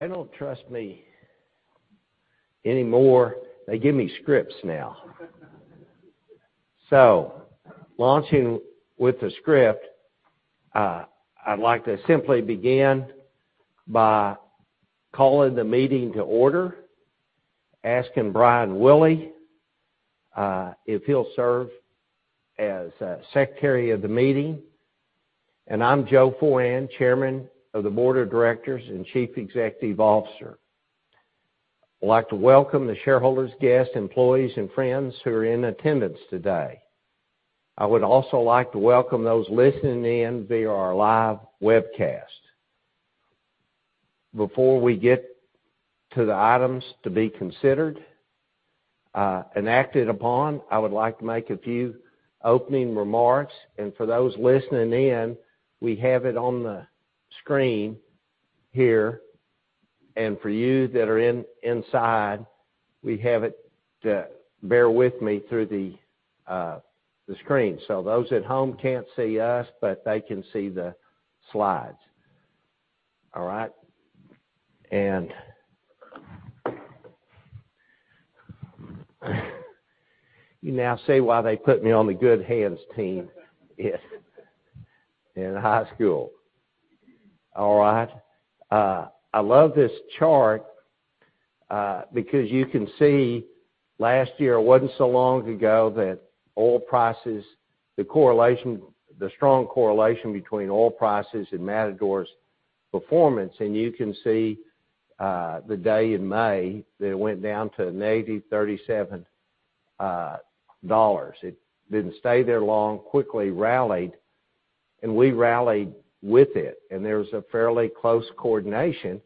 They don't trust me anymore. They give me scripts now. Launching with the script, I'd like to simply begin by calling the meeting to order, asking Brian Willey if he'll serve as secretary of the meeting. I'm Joe Foran, Chairman of the Board of Directors and Chief Executive Officer. I'd like to welcome the shareholders, guests, employees, and friends who are in attendance today. I would also like to welcome those listening in via our live webcast. Before we get to the items to be considered and acted upon, I would like to make a few opening remarks. For those listening in, we have it on the screen here. For you that are inside, we have it, bear with me, through the screen. Those at home can't see us, but they can see the slides. All right? You now see why they put me on the good hands team in high school. All right. I love this chart, because you can see last year, it wasn't so long ago that the strong correlation between oil prices and Matador's performance. You can see, the day in May that it went down to $80.37. It didn't stay there long, quickly rallied, and we rallied with it. There was a fairly close coordination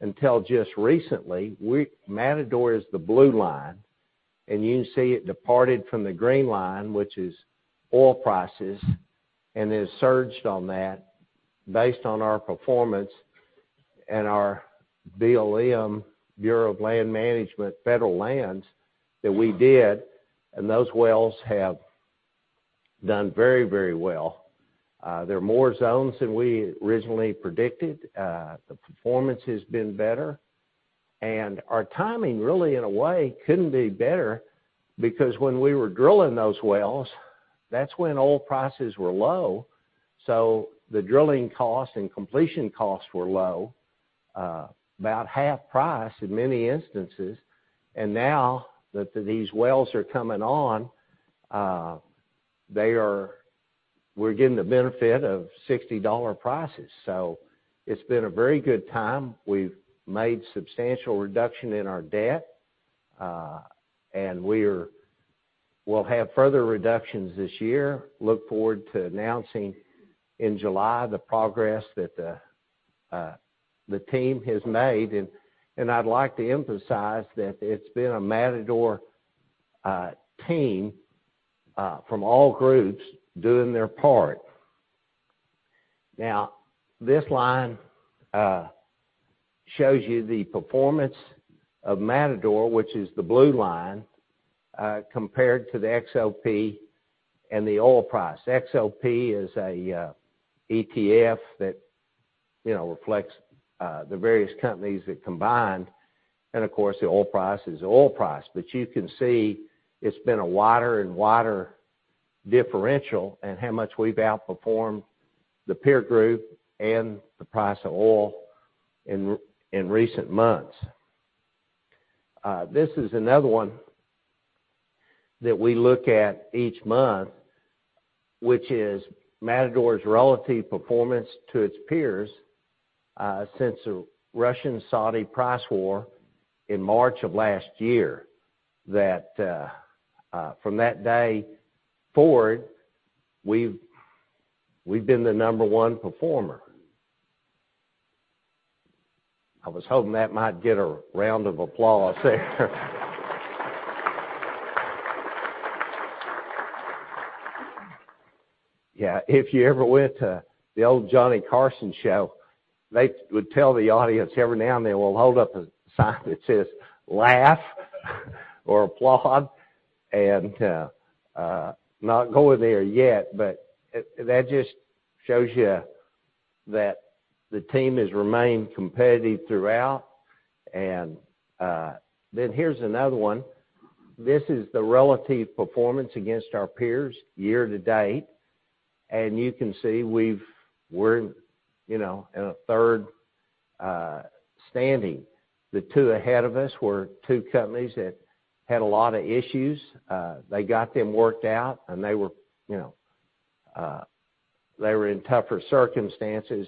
until just recently. Matador is the blue line. You can see it departed from the green line, which is oil prices, and then surged on that based on our performance and our BLM, Bureau of Land Management, federal lands that we did. Those wells have done very well. There are more zones than we originally predicted. The performance has been better. Our timing really, in a way, couldn't be better because when we were drilling those wells, that's when oil prices were low. The drilling cost and completion costs were low, about half price in many instances. Now that these wells are coming on, we're getting the benefit of $60 prices. It's been a very good time. We've made substantial reduction in our debt, and we'll have further reductions this year. Look forward to announcing in July the progress that the team has made. I'd like to emphasize that it's been a Matador team from all groups doing their part. Now, this line shows you the performance of Matador, which is the blue line, compared to the XOP and the oil price. XLP is a ETF that reflects the various companies that combined, and of course, the oil price is the oil price. You can see it's been a wider and wider differential in how much we've outperformed the peer group and the price of oil in recent months. This is another one that we look at each month, which is Matador's relative performance to its peers, since the Russian-Saudi price war in March of last year. From that day forward, we've been the number one performer. I was hoping that might get a round of applause there. Yeah, if you ever went to the old Johnny Carson show, they would tell the audience every now and then, they will hold up a sign that says, "Laugh," or, "Applause," and not going there yet. That just shows you that the team has remained competitive throughout. Here's another one. This is the relative performance against our peers year to date, you can see we're in a third standing. The two ahead of us were two companies that had a lot of issues. They got them worked out, they were in tougher circumstances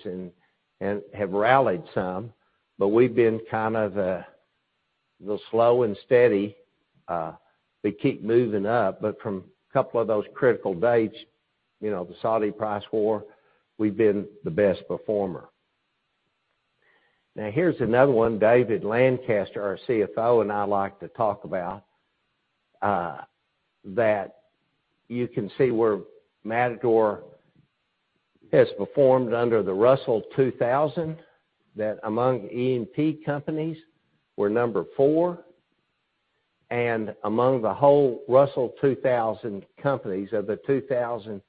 and have rallied some. We've been kind of the slow and steady to keep moving up. From a couple of those critical dates, the Saudi price war, we've been the best performer. Here's another one David Lancaster, our CFO, and I like to talk about, that you can see where Matador has performed under the Russell 2000, that among E&P companies, we're number four. Among the whole Russell 2000 companies, of the 2000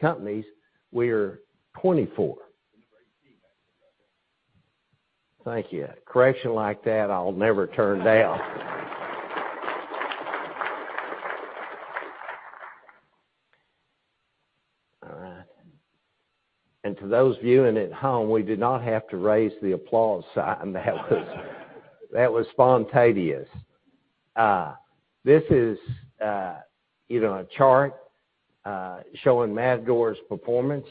companies, we're 24. Thank you. A correction like that, I'll never turn down. All right. To those viewing at home, we did not have to raise the applause sign. That was spontaneous. This is a chart showing Matador's performance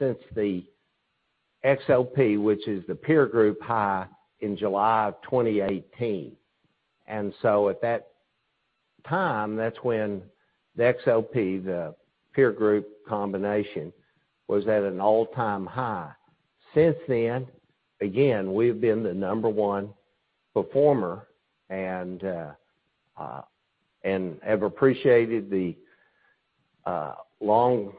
since the XOP, which is the peer group high in July of 2018. At that time, that's when the XOP, the peer group combination, was at an all-time high. Since then, again, we've been the number one performer and have appreciated the long-term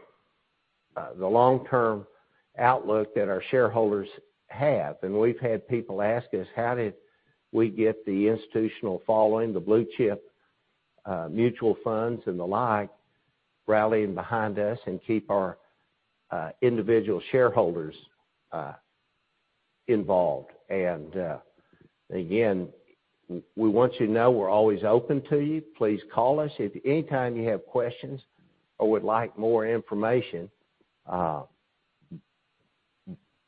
outlook that our shareholders have. We've had people ask us, how did we get the institutional following, the blue-chip mutual funds and the like, rallying behind us and keep our individual shareholders involved? Again, we want you to know we're always open to you. Please call us if anytime you have questions or would like more information.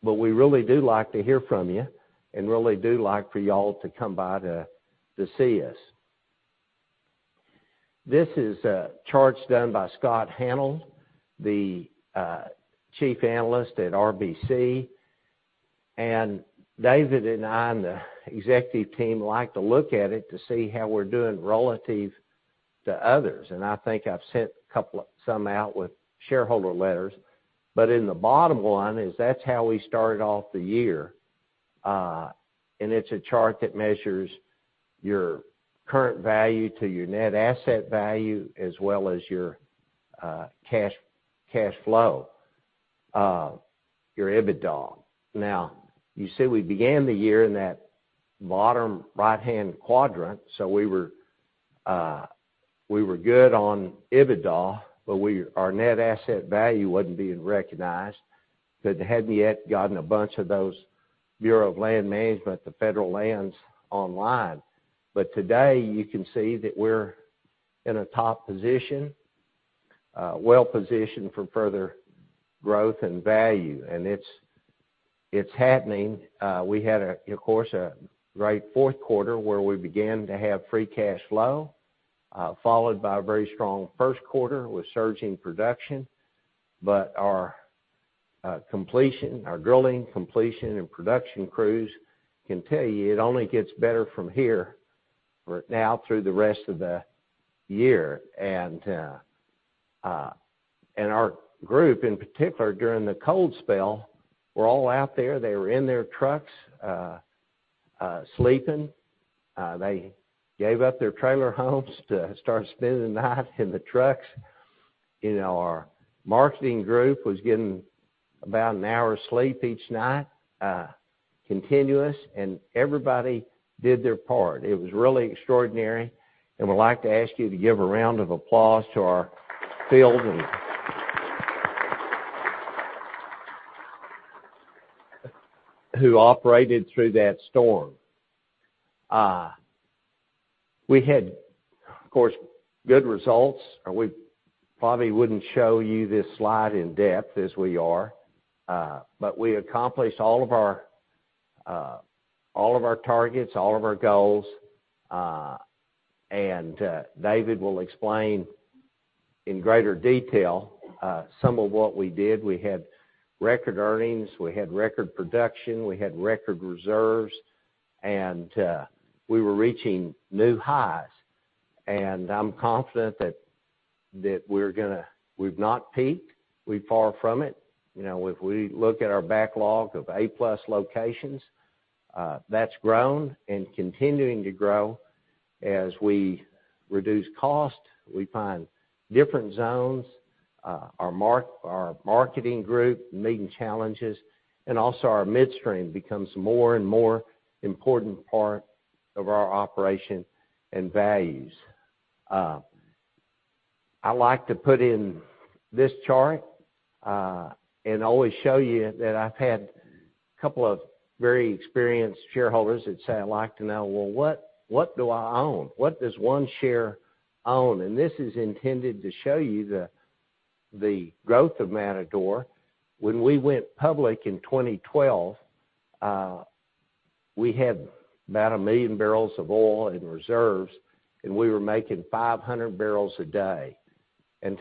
We really do like to hear from you and really do like for you all to come by to see us. This is a chart done by Scott Hanold, the chief analyst at RBC. David and I and the executive team like to look at it to see how we're doing relative to others, and I think I've sent some out with shareholder letters. In the bottom line is that's how we started off the year. It's a chart that measures your current value to your net asset value as well as your cash flow, your EBITDA. You see we began the year in that bottom right-hand quadrant. We were good on EBITDA, but our net asset value wasn't being recognized, because it hadn't yet gotten a bunch of those Bureau of Land Management, the federal lands online. Today, you can see that we're in a top position, well-positioned for further growth and value. It's happening. We had, of course, a great fourth quarter where we began to have free cash flow, followed by a very strong first quarter with surging production. Our drilling completion and production crews can tell you it only gets better from here now through the rest of the year. Our group, in particular, during the cold spell, were all out there. They were in their trucks, sleeping. They gave up their trailer homes to start spending the night in the trucks. Our marketing group was getting about an hour of sleep each night, continuous, and everybody did their part. It was really extraordinary, and we'd like to ask you to give a round of applause to our field men who operated through that storm. We had, of course, good results. We probably wouldn't show you this slide in depth as we are. We accomplished all of our targets, all of our goals. David will explain in greater detail some of what we did. We had record earnings, we had record production, we had record reserves, and we were reaching new highs. I'm confident that we've not peaked. We're far from it. If we look at our backlog of A-plus locations, that's grown and continuing to grow. As we reduce cost, we find different zones, our marketing group meeting challenges, and also our midstream becomes more and more important part of our operation and values. I like to put in this chart, and always show you that I've had a couple of very experienced shareholders that say, "I'd like to know, well, what do I own? What does one share own?" This is intended to show you the growth of Matador. When we went public in 2012, we had about 1 million barrels of oil in reserves, and we were making 500 barrels a day.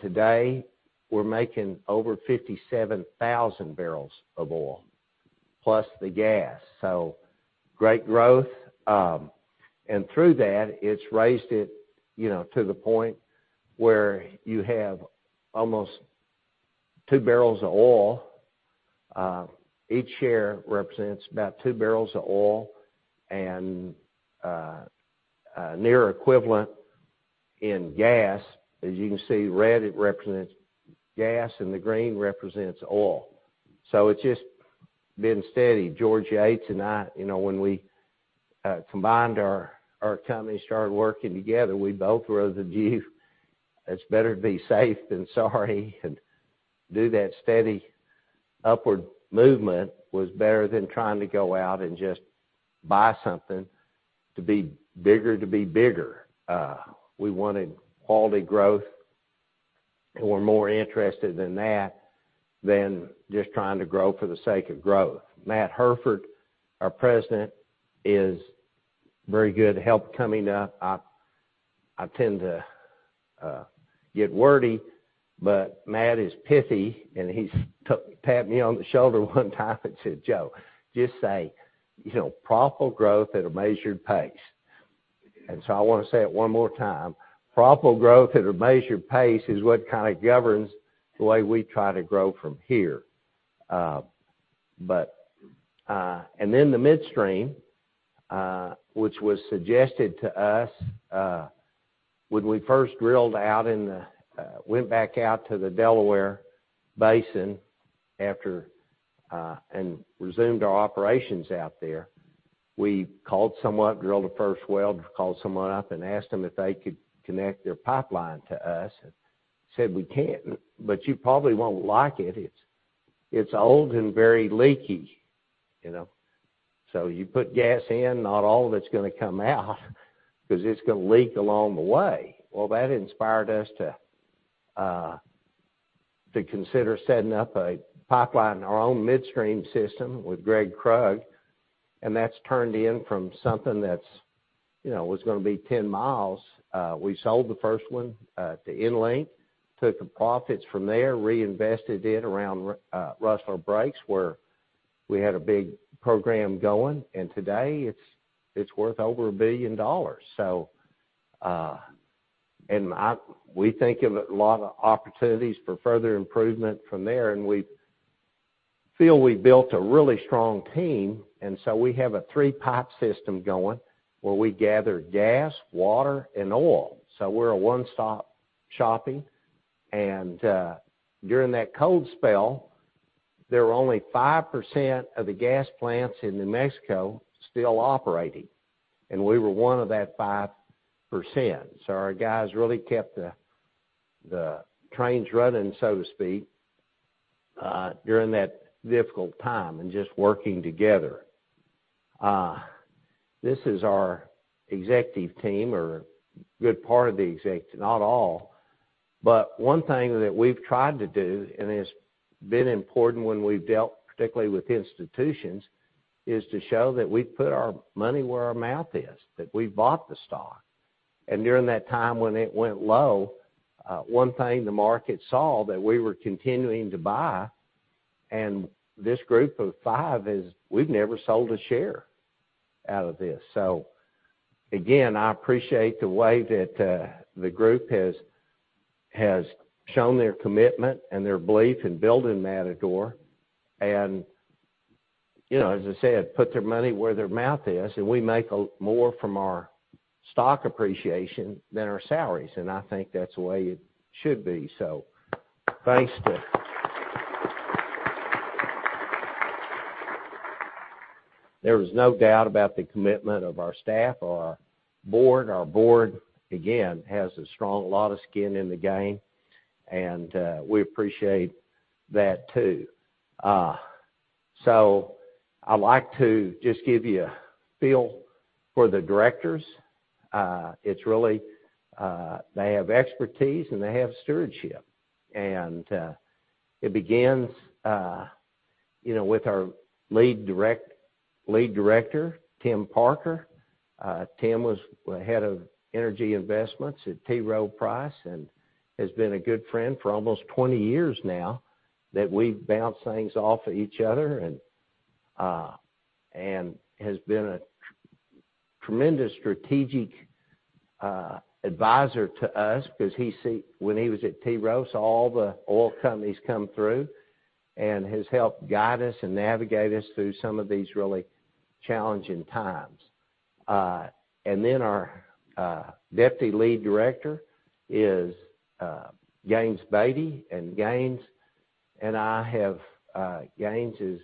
Today, we're making over 57,000 barrels of oil, plus the gas. Great growth. Through that, it's raised it to the point where you have almost two barrels of oil. Each share represents about two barrels of oil and a near equivalent in gas, as you can see, red represents gas and the green represents oil. It's just been steady. George Yates and I, when we combined our companies, started working together, we both were of the view it's better to be safe than sorry, and do that steady upward movement was better than trying to go out and just buy something to be bigger. We wanted quality growth, were more interested in that than just trying to grow for the sake of growth. Matt Hairford, our President, is very good help coming up. I tend to get wordy, but Matt is pithy, and he's tapped me on the shoulder one time and said, "Joe, just say, 'Profitable growth at a measured pace.'" I want to say it one more time. Profitable growth at a measured pace is what kind of governs the way we try to grow from here. The midstream, which was suggested to us when we first drilled out and went back out to the Delaware Basin and resumed our operations out there. We drilled the first well, called someone up and asked them if they could connect their pipeline to us, and said, "We can, but you probably won't like it. It's old and very leaky. You put gas in, not all of it's going to come out because it's going to leak along the way. Well, that inspired us to consider setting up a pipeline, our own midstream system with Gregg Krug, and that's turned in from something that was going to be 10 mi. We sold the first one to EnLink, took the profits from there, reinvested it around Rustler Breaks, where we had a big program going, and today it's worth over $1 billion. We think of a lot of opportunities for further improvement from there, and we feel we built a really strong team. We have a three-pipe system going where we gather gas, water, and oil. We're a one-stop shopping, and during that cold spell, there were only 5% of the gas plants in New Mexico still operating, and we were one of that 5%. Our guys really kept the trains running, so to speak, during that difficult time and just working together. This is our executive team or a good part of the executive, not all. One thing that we've tried to do, and it's been important when we've dealt particularly with institutions, is to show that we've put our money where our mouth is, that we've bought the stock. During that time when it went low, one thing the market saw that we were continuing to buy, and this group of five is, we've never sold a share out of this. Again, I appreciate the way that the group has shown their commitment and their belief in building Matador, and as I said, put their money where their mouth is, and we make more from our stock appreciation than our salaries, and I think that's the way it should be. Thanks to There is no doubt about the commitment of our staff or our board. Our board, again, has a strong lot of skin in the game, and we appreciate that, too. I'd like to just give you a feel for the directors. They have expertise, and they have stewardship, and it begins with our lead director, Tim Parker. Tim was head of energy investments at T. Rowe Price Has been a good friend for almost 20 years now, that we bounce things off of each other, has been a tremendous strategic advisor to us because when he was at T. Rowe, saw all the oil companies come through, has helped guide us and navigate us through some of these really challenging times. Our deputy lead director is Gaines Baty. Gaines is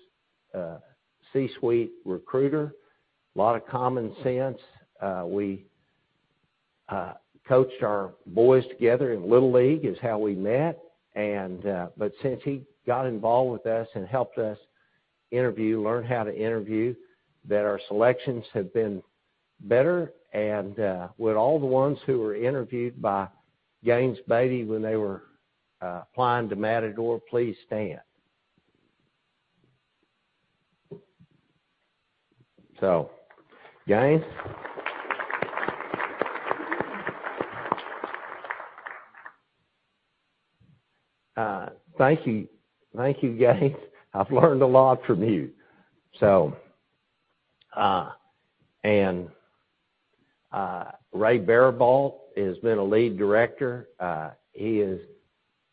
a C-suite recruiter. He has a lot of common sense. We coached our boys together in Little League, is how we met. Since he got involved with us and helped us interview, learn how to interview, that our selections have been better. Would all the ones who were interviewed by Gaines Baty when they were applying to Matador please stand? Gaines. Thank you. Thank you, Gaines. I've learned a lot from you. Ray Baribault has been a lead director. He is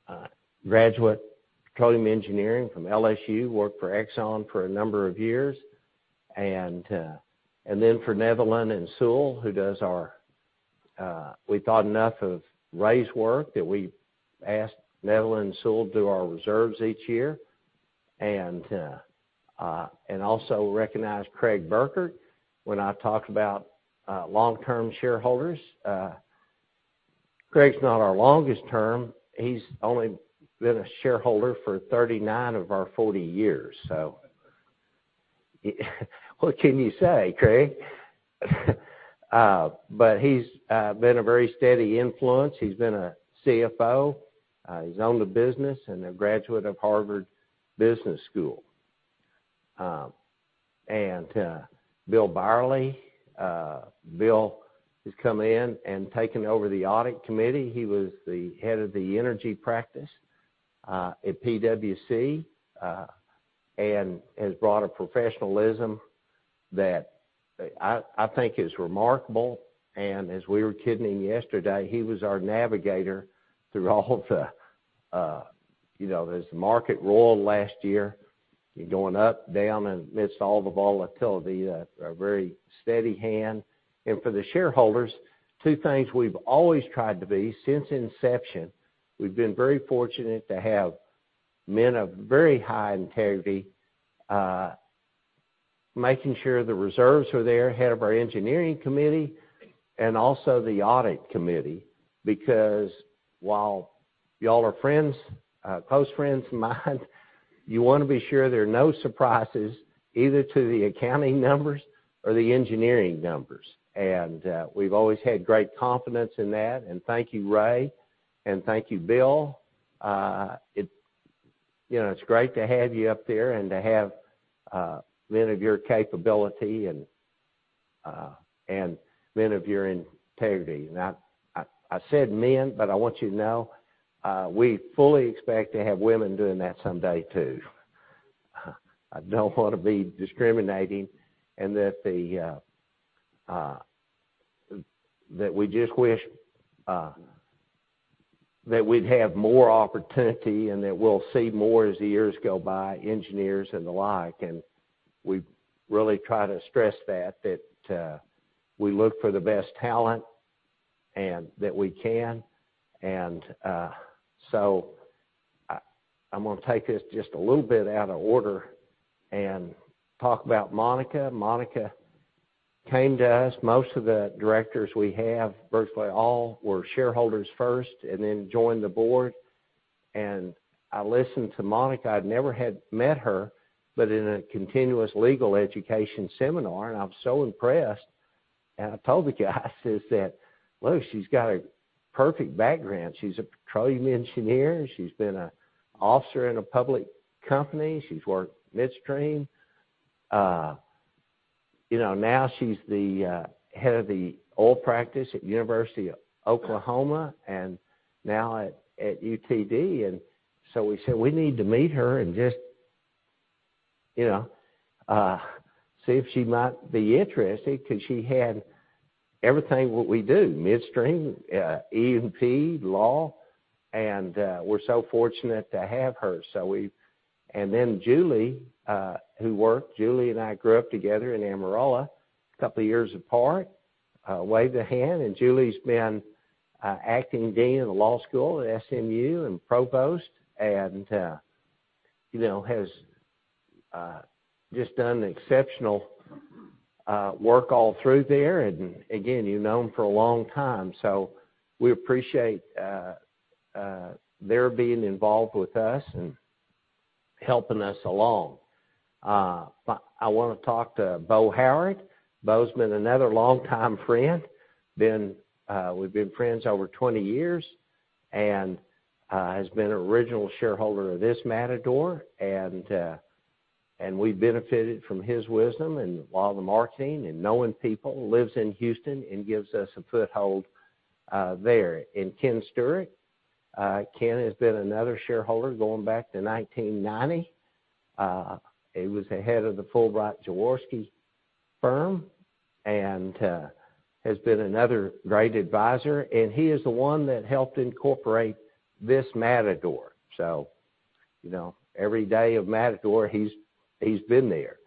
a graduate of petroleum engineering from LSU, worked for Exxon for a number of years. Then for Netherland, Sewell & Associates, Inc., we thought enough of Ray's work that we asked Netherland, Sewell & Associates, Inc. to do our reserves each year. Also recognize Craig Burket when I talk about long-term shareholders. Craig's not our longest term. He's only been a shareholder for 39 of our 40 years. What can you say, Craig? He's been a very steady influence. He's been a CFO. He's owned a business and a graduate of Harvard Business School. Bill Byerley. Bill has come in and taken over the audit committee. He was the head of the energy practice at PwC, and has brought a professionalism that I think is remarkable. As we were kidding yesterday, he was our navigator as the market rolled last year, going up, down, and amidst all the volatility, a very steady hand. For the shareholders, two things we've always tried to be since inception, we've been very fortunate to have men of very high integrity, making sure the reserves are there, head of our engineering committee, and also the audit committee. Because while y'all are close friends of mine, you want to be sure there are no surprises, either to the accounting numbers or the engineering numbers. We've always had great confidence in that. Thank you, Ray, and thank you, Bill. It's great to have you up there and to have men of your capability and men of your integrity. I said men, but I want you to know, we fully expect to have women doing that someday too. I don't want to be discriminating in that we just wish that we'd have more opportunity, and that we'll see more as the years go by, engineers and the like. We really try to stress that we look for the best talent, and that we can. I'm going to take us just a little bit out of order and talk about Monika. Monika came to us. Most of the directors we have, virtually all, were shareholders first and then joined the board. I listened to Monika. I never had met her, but in a continuous legal education seminar, and I'm so impressed, and I told the guys that, look, she's got a perfect background. She's a petroleum engineer. She's been an officer in a public company. She's worked midstream. Now she's the head of the oil practice at University of Oklahoma and now at UTD. We said we need to meet her and just see if she might be interested, because she had everything what we do, midstream, E&P, law, and we're so fortunate to have her. Julie, who worked. Julie and I grew up together in Amarillo, a couple of years apart. Wave the hand. Julie's been acting dean of the law school at SMU and provost, and has just done exceptional work all through there. Again, you've known her for a long time, so we appreciate their being involved with us and helping us along. I want to talk to Bo Howard. Bo's been another longtime friend. We've been friends over 20 years, and has been an original shareholder of this Matador. We benefited from his wisdom and a lot of marketing and knowing people. Lives in Houston and gives us a foothold there. Kenneth L. Stewart. Kenneth has been another shareholder going back to 1990. He was the head of the Fulbright & Jaworski firm and has been another great advisor, and he is the one that helped incorporate this Matador. Every day of Matador, he's been there.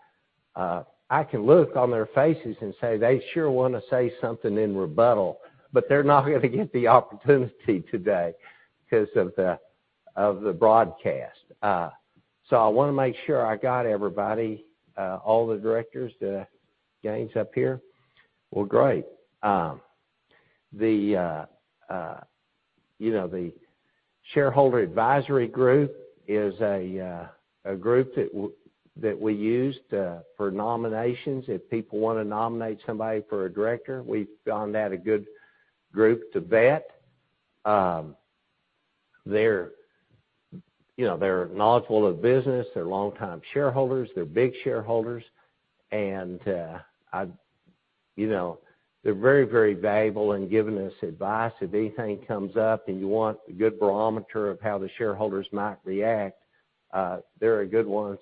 I can look on their faces and say they sure want to say something in rebuttal, but they're not going to get the opportunity today because of the broadcast. I want to make sure I got everybody, all the directors, James, up here. Well, great. The Shareholder Advisory Group is a group that we use for nominations. If people want to nominate somebody for a director, we've found that a good group to vet. They're knowledgeable of business. They're longtime shareholders. They're big shareholders, and they're very, very valuable in giving us advice. If anything comes up and you want a good barometer of how the shareholders might react, they're good ones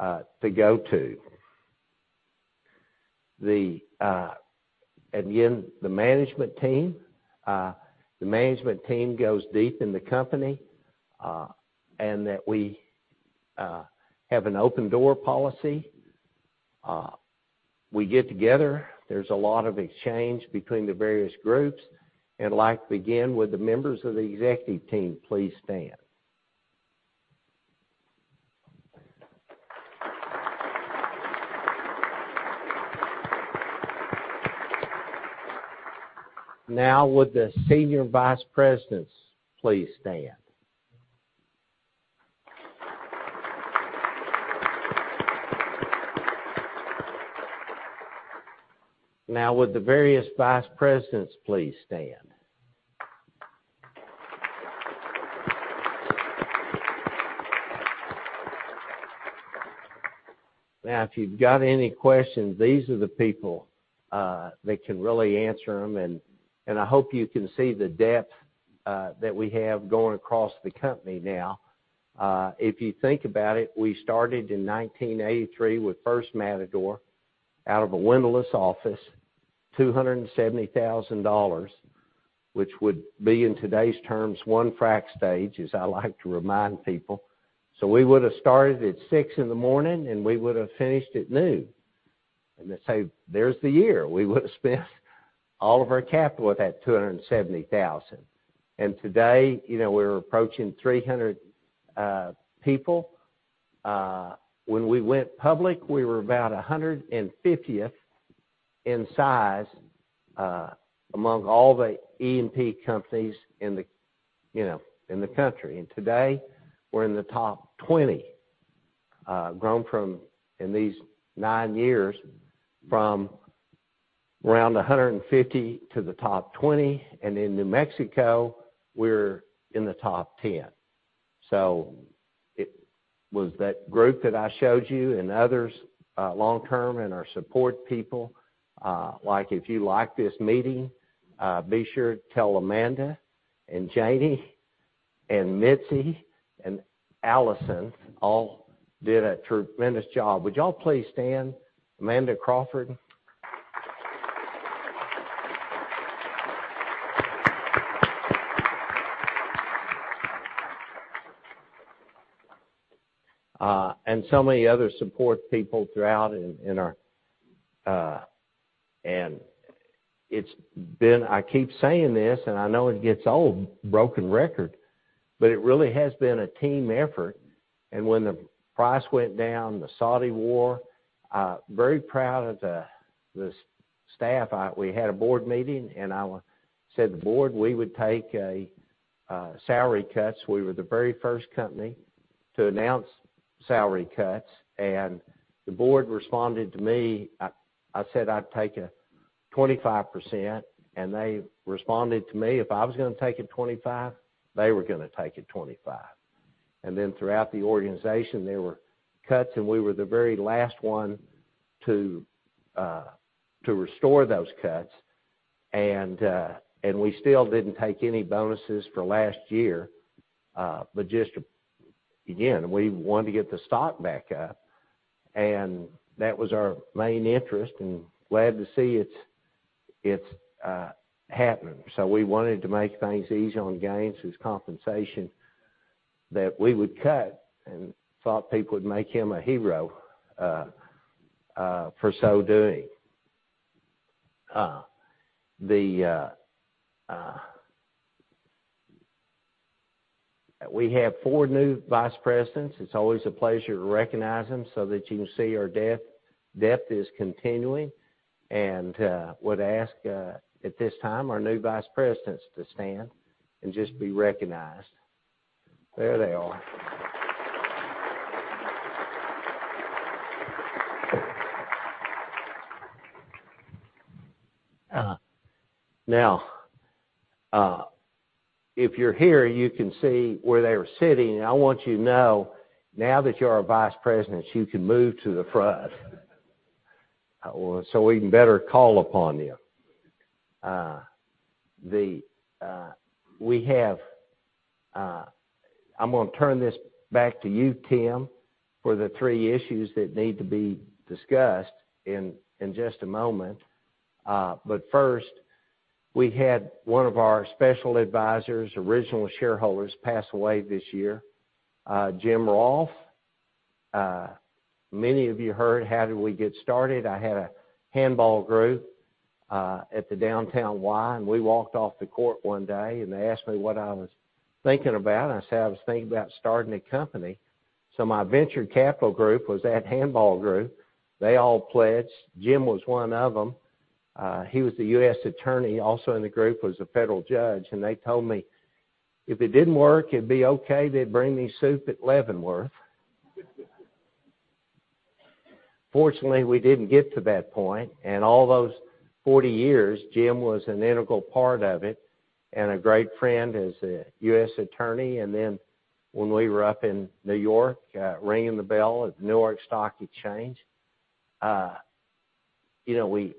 to go to. The management team goes deep in the company. We have an open door policy. We get together. There's a lot of exchange between the various groups. I'd like to begin with the members of the executive team, please stand. Now would the senior vice presidents please stand? Now would the various vice presidents please stand? Now, if you've got any questions, these are the people that can really answer them, and I hope you can see the depth that we have going across the company now. If you think about it, we started in 1983 with First Matador out of a windowless office, $270,000, which would be in today's terms, one frack stage, as I like to remind people. We would've started at 6:00 A.M. in the morning, and we would've finished at noon. They say, there's the year. We would've spent all of our capital, that $270,000. Today, we're approaching 300 people. When we went public, we were about 150th in size among all the E&P companies in the country. Today, we're in the top 20. Grown from, in these nine years, from around 150 to the top 20, and in New Mexico, we're in the top 10. It was that group that I showed you and others, long-term, and our support people. If you like this meeting, be sure to tell Amanda and Janie and Mitzi and Allison all did a tremendous job. Would y'all please stand? Amanda Crawford. So many other support people throughout. I keep saying this, and I know it gets old, broken record, but it really has been a team effort. When the price went down, the Saudi war, very proud of the staff. We had a board meeting, I said to the board, we would take salary cuts. We were the very first company to announce salary cuts, the board responded to me. I said I'd take a 25%, they responded to me, if I was going to take a 25%, they were going to take a 25%. Throughout the organization, there were cuts, we were the very last one to restore those cuts. we still didn't take any bonuses for last year. just, again, we wanted to get the stock back up, and that was our main interest, and glad to see it's happening. we wanted to make things easy on Gaines's compensation that we would cut and thought people would make him a hero for so doing. We have four new vice presidents. It's always a pleasure to recognize them so that you can see our depth is continuing, and would ask at this time our new vice presidents to stand and just be recognized. There they are. if you're here, you can see where they were sitting, and I want you to know now that you're a vice president, you can move to the front so we can better call upon you. I'm going to turn this back to you, Tim, for the three issues that need to be discussed in just a moment. First, we had one of our special advisors, original shareholders, pass away this year, Jim Rolfe. Many of you heard how did we get started. I had a handball group at the downtown Y, and we walked off the court one day and they asked me what I was thinking about, and I said I was thinking about starting a company. My venture capital group was that handball group. They all pledged. Jim was one of them. He was the U.S. attorney. Also in the group was a federal judge, and they told me if it didn't work, it'd be okay. They'd bring me soup at Leavenworth. Fortunately, we didn't get to that point, and all those 40 years, Jim was an integral part of it and a great friend as a U.S. attorney. Then when we were up in New York ringing the bell at the New York Stock Exchange, we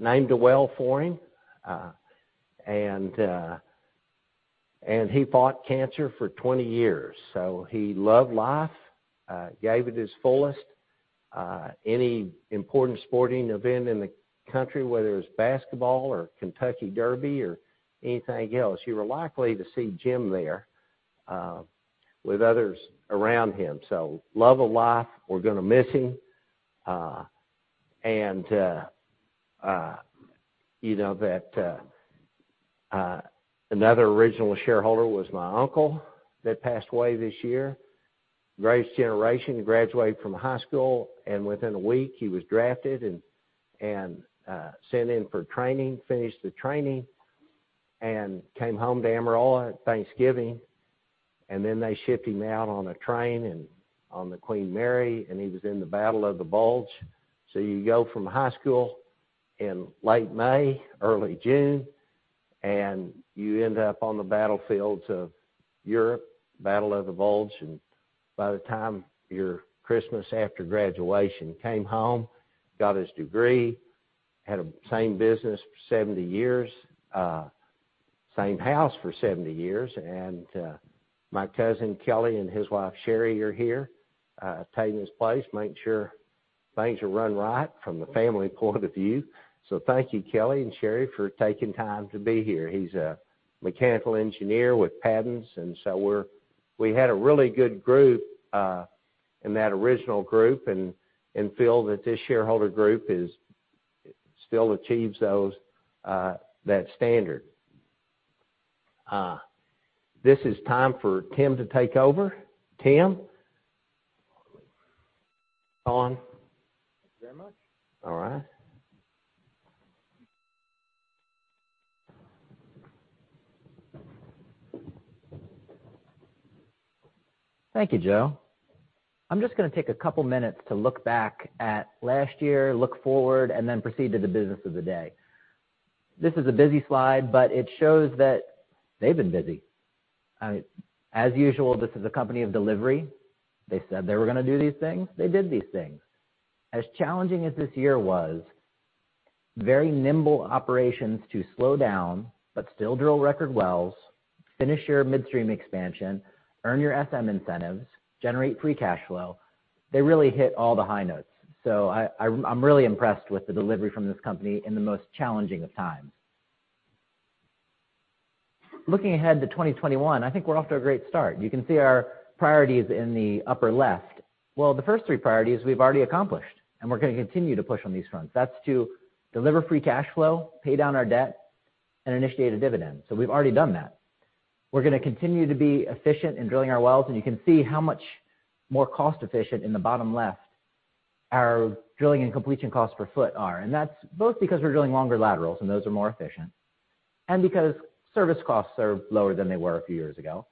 named a well for him. He fought cancer for 20 years. He loved life, gave it his fullest. Any important sporting event in the country, whether it was basketball or Kentucky Derby or anything else, you were likely to see Jim there, with others around him. Love of life. We're going to miss him. Another original shareholder was my uncle that passed away this year. Greatest generation. Graduated from high school, and within a week, he was drafted and sent in for training, finished the training, and came home to Amarillo at Thanksgiving. They shipped him out on a train and on the Queen Mary, and he was in the Battle of the Bulge. You go from high school in late May, early June, and you end up on the battlefields of Europe, Battle of the Bulge. By the time your Christmas after graduation came home, got his degree, had the same business for 70 years, same house for 70 years. My cousin Kelly and his wife Sherry are here to take his place, make sure things are run right from a family point of view. Thank you, Kelly and Sherry, for taking time to be here. He's a mechanical engineer with patents, and so we had a really good group in that original group and feel that this shareholder group still achieves that standard. This is time for Tim to take over. Tim. Thanks very much. All right. Thank you, Joe. I'm just going to take a couple of minutes to look back at last year, look forward, and then proceed to the business of the day. This is a busy slide, but it shows that they've been busy. As usual, this is a company of delivery. They said they were going to do these things. They did these things. As challenging as this year was, very nimble operations to slow down but still drill record wells, finish your midstream expansion, earn your FM incentives, generate free cash flow. They really hit all the high notes. I'm really impressed with the delivery from this company in the most challenging of times. Looking ahead to 2021, I think we're off to a great start. You can see our priorities in the upper left. Well, the first three priorities we've already accomplished, and we're going to continue to push on these fronts. That's to deliver free cash flow, pay down our debt, and initiate a dividend. We've already done that. We're going to continue to be efficient in drilling our wells, and you can see how much more cost efficient in the bottom left our drilling and completion cost per foot are. That's both because we're drilling longer laterals, and those are more efficient, and because service costs are lower than they were a few years ago.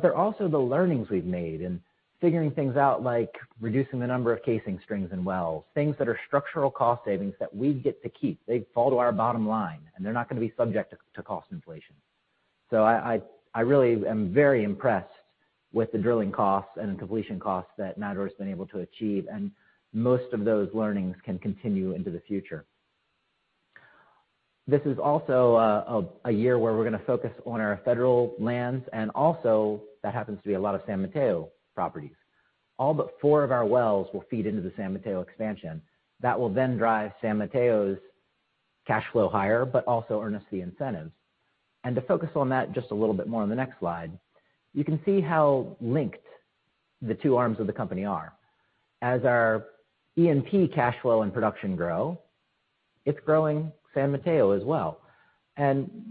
They're also the learnings we've made in figuring things out, like reducing the number of casing strings in wells, things that are structural cost savings that we get to keep. They fall to our bottom line, and they're not going to be subject to cost inflation. I really am very impressed with the drilling costs and the completion costs that Matador's been able to achieve, and most of those learnings can continue into the future. This is also a year where we're going to focus on our federal lands, and also that happens to be a lot of San Mateo properties. All but four of our wells will feed into the San Mateo expansion. That will then drive San Mateo's cash flow higher but also earn us the incentives. To focus on that just a little bit more in the next slide, you can see how linked the two arms of the company are. As our E&P cash flow and production grow, it's growing San Mateo as well.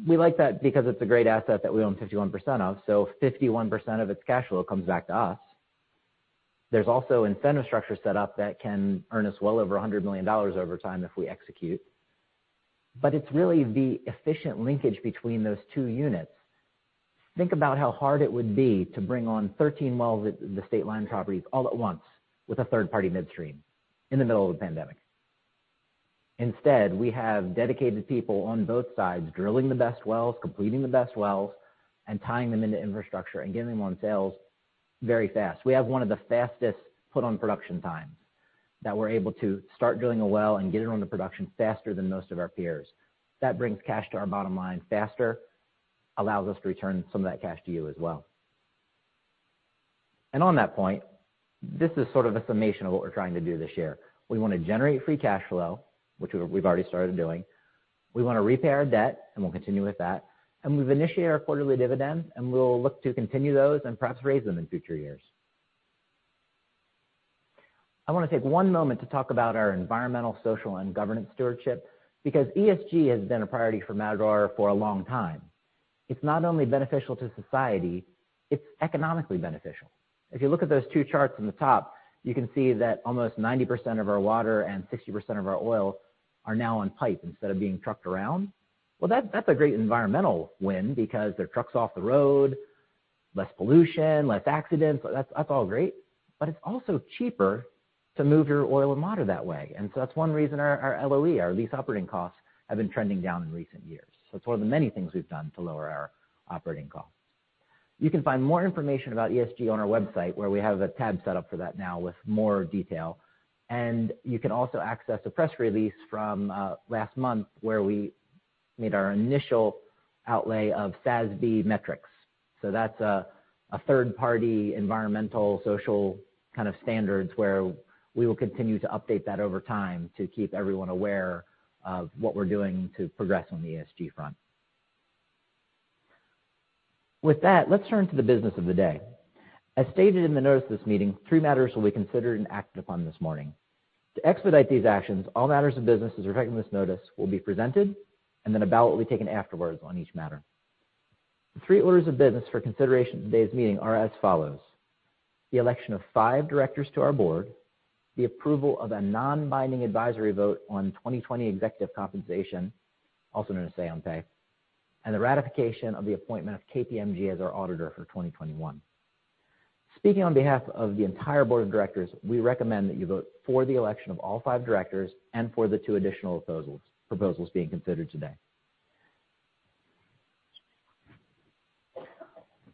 We like that because it's a great asset that we own 51% of 51% of its cash flow comes back to us. There's also incentive structure set up that can earn us well over $100 million over time if we execute. It's really the efficient linkage between those two units. Think about how hard it would be to bring on 13 wells at the Stateline properties all at once with a third-party midstream in the middle of the pandemic. Instead, we have dedicated people on both sides drilling the best wells, completing the best wells, and tying them into infrastructure and getting them on sales very fast. We have one of the fastest put on production times that we're able to start drilling a well and getting on the production faster than most of our peers. That brings cash to our bottom line faster, allows us to return some of that cash to you as well. On that point, this is sort of a summation of what we're trying to do this year. We want to generate free cash flow, which we've already started doing. We want to repay our debt, and we'll continue with that, and we've initiated a quarterly dividend, and we'll look to continue those and perhaps raise them in future years. I want to take one moment to talk about our environmental, social, and governance stewardship because ESG has been a priority for Matador for a long time. It's not only beneficial to society, it's economically beneficial. If you look at those two charts on the top, you can see that almost 90% of our water and 60% of our oil are now in pipes instead of being trucked around. That's a great environmental win because there are trucks off the road, less pollution, less accidents. That's all great, it's also cheaper to move your oil and water that way. That's one reason our LOE, our lease operating costs, have been trending down in recent years. That's one of the many things we've done to lower our operating costs. You can find more information about ESG on our website, where we have the tab set up for that now with more detail. You can also access a press release from last month where we made our initial outlay of SASB metrics. That's a third-party environmental, social kind of standards where we will continue to update that over time to keep everyone aware of what we're doing to progress on the ESG front. With that, let's turn to the business of the day. As stated in the notice of this meeting, three matters will be considered and acted upon this morning. To expedite these actions, all matters of business as outlined in this notice will be presented, and then a ballot will be taken afterwards on each matter. The three orders of business for consideration at today's meeting are as follows: the election of five directors to our board, the approval of a non-binding advisory vote on 2020 executive compensation, also known as say on pay, and the ratification of the appointment of KPMG as our auditor for 2021. Speaking on behalf of the entire board of directors, we recommend that you vote for the election of all five directors and for the two additional proposals being considered today.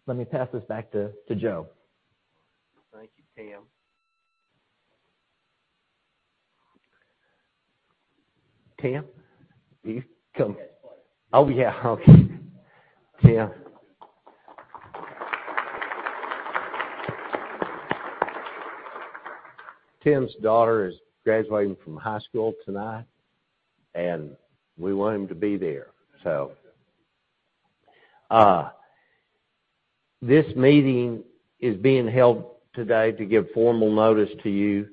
Let me pass this back to Joe. Thank you, Tim. Tim, Come. Oh, yeah. Okay, Tim. Tim's daughter is graduating from high school tonight. We want him to be there. This meeting is being held today to give formal notice to you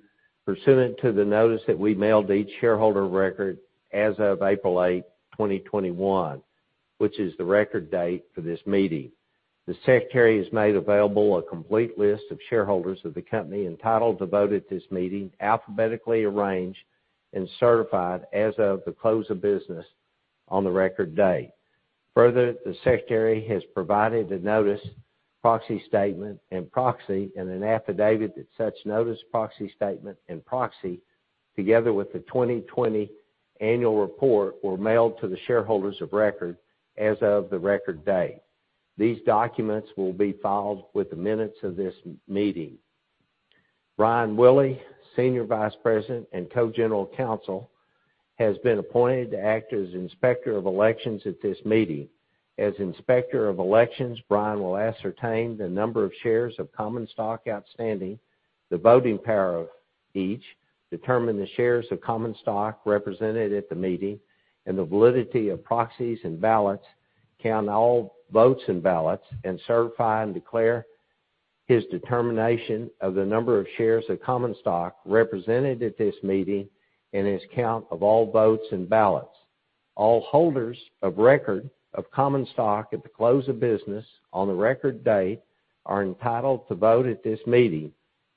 pursuant to the notice that we mailed each shareholder of record as of April eighth, 2021, which is the record date for this meeting. The secretary has made available a complete list of shareholders of the company entitled to vote at this meeting, alphabetically arranged and certified as of the close of business on the record date. Further, the secretary has provided a notice, proxy statement and proxy, and an affidavit that such notice, proxy statement and proxy, together with the 2020 annual report, were mailed to the shareholders of record as of the record date. These documents will be filed with the minutes of this meeting. Brian Willey, Senior Vice President and Co-General Counsel, has been appointed to act as Inspector of Elections at this meeting. As Inspector of Elections, Brian will ascertain the number of shares of common stock outstanding, the voting power of each, determine the shares of common stock represented at the meeting, and the validity of proxies and ballots, count all votes and ballots, and certify and declare his determination of the number of shares of common stock represented at this meeting and its count of all votes and ballots. All holders of record of common stock at the close of business on the record date are entitled to vote at this meeting,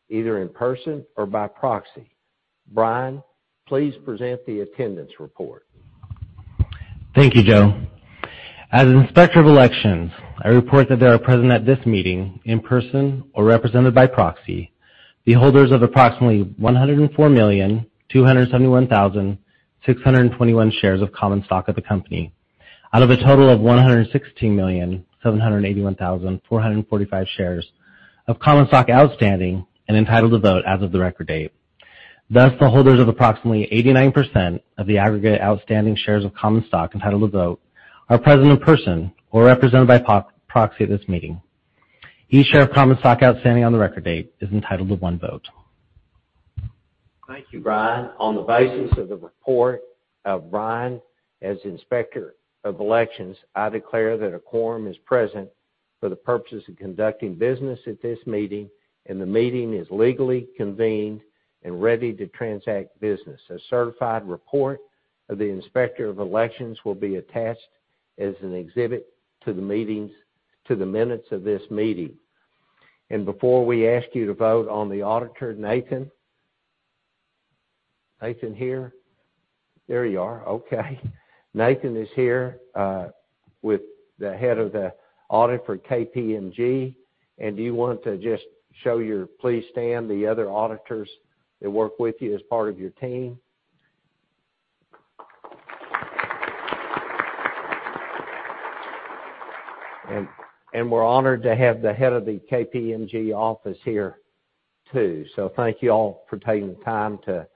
either in person or by proxy. Brian, please present the attendance report. Thank you, Joe. As Inspector of Elections, I report that there are present at this meeting, in person or represented by proxy, the holders of approximately 104,271,621 shares of common stock of the company. Out of a total of 116,781,445 shares of common stock outstanding and entitled to vote as of the record date. The holders of approximately 89% of the aggregate outstanding shares of common stock entitled to vote are present in person or represented by proxy at this meeting. Each share of common stock outstanding on the record date is entitled to one vote. Thank you, Brian. On the basis of the report of Brian as Inspector of Elections, I declare that a quorum is present for the purposes of conducting business at this meeting, and the meeting is legally convened and ready to transact business. A certified report of the Inspector of Elections will be attached as an exhibit to the minutes of this meeting. Before we ask you to vote on the auditor, Nathan? Nathan here? There you are. Okay. Nathan is here, with the head of the auditor, KPMG. Do you want to just Please stand, the other auditors that work with you as part of your team. We're honored to have the head of the KPMG office here too. Thank you all for taking the time to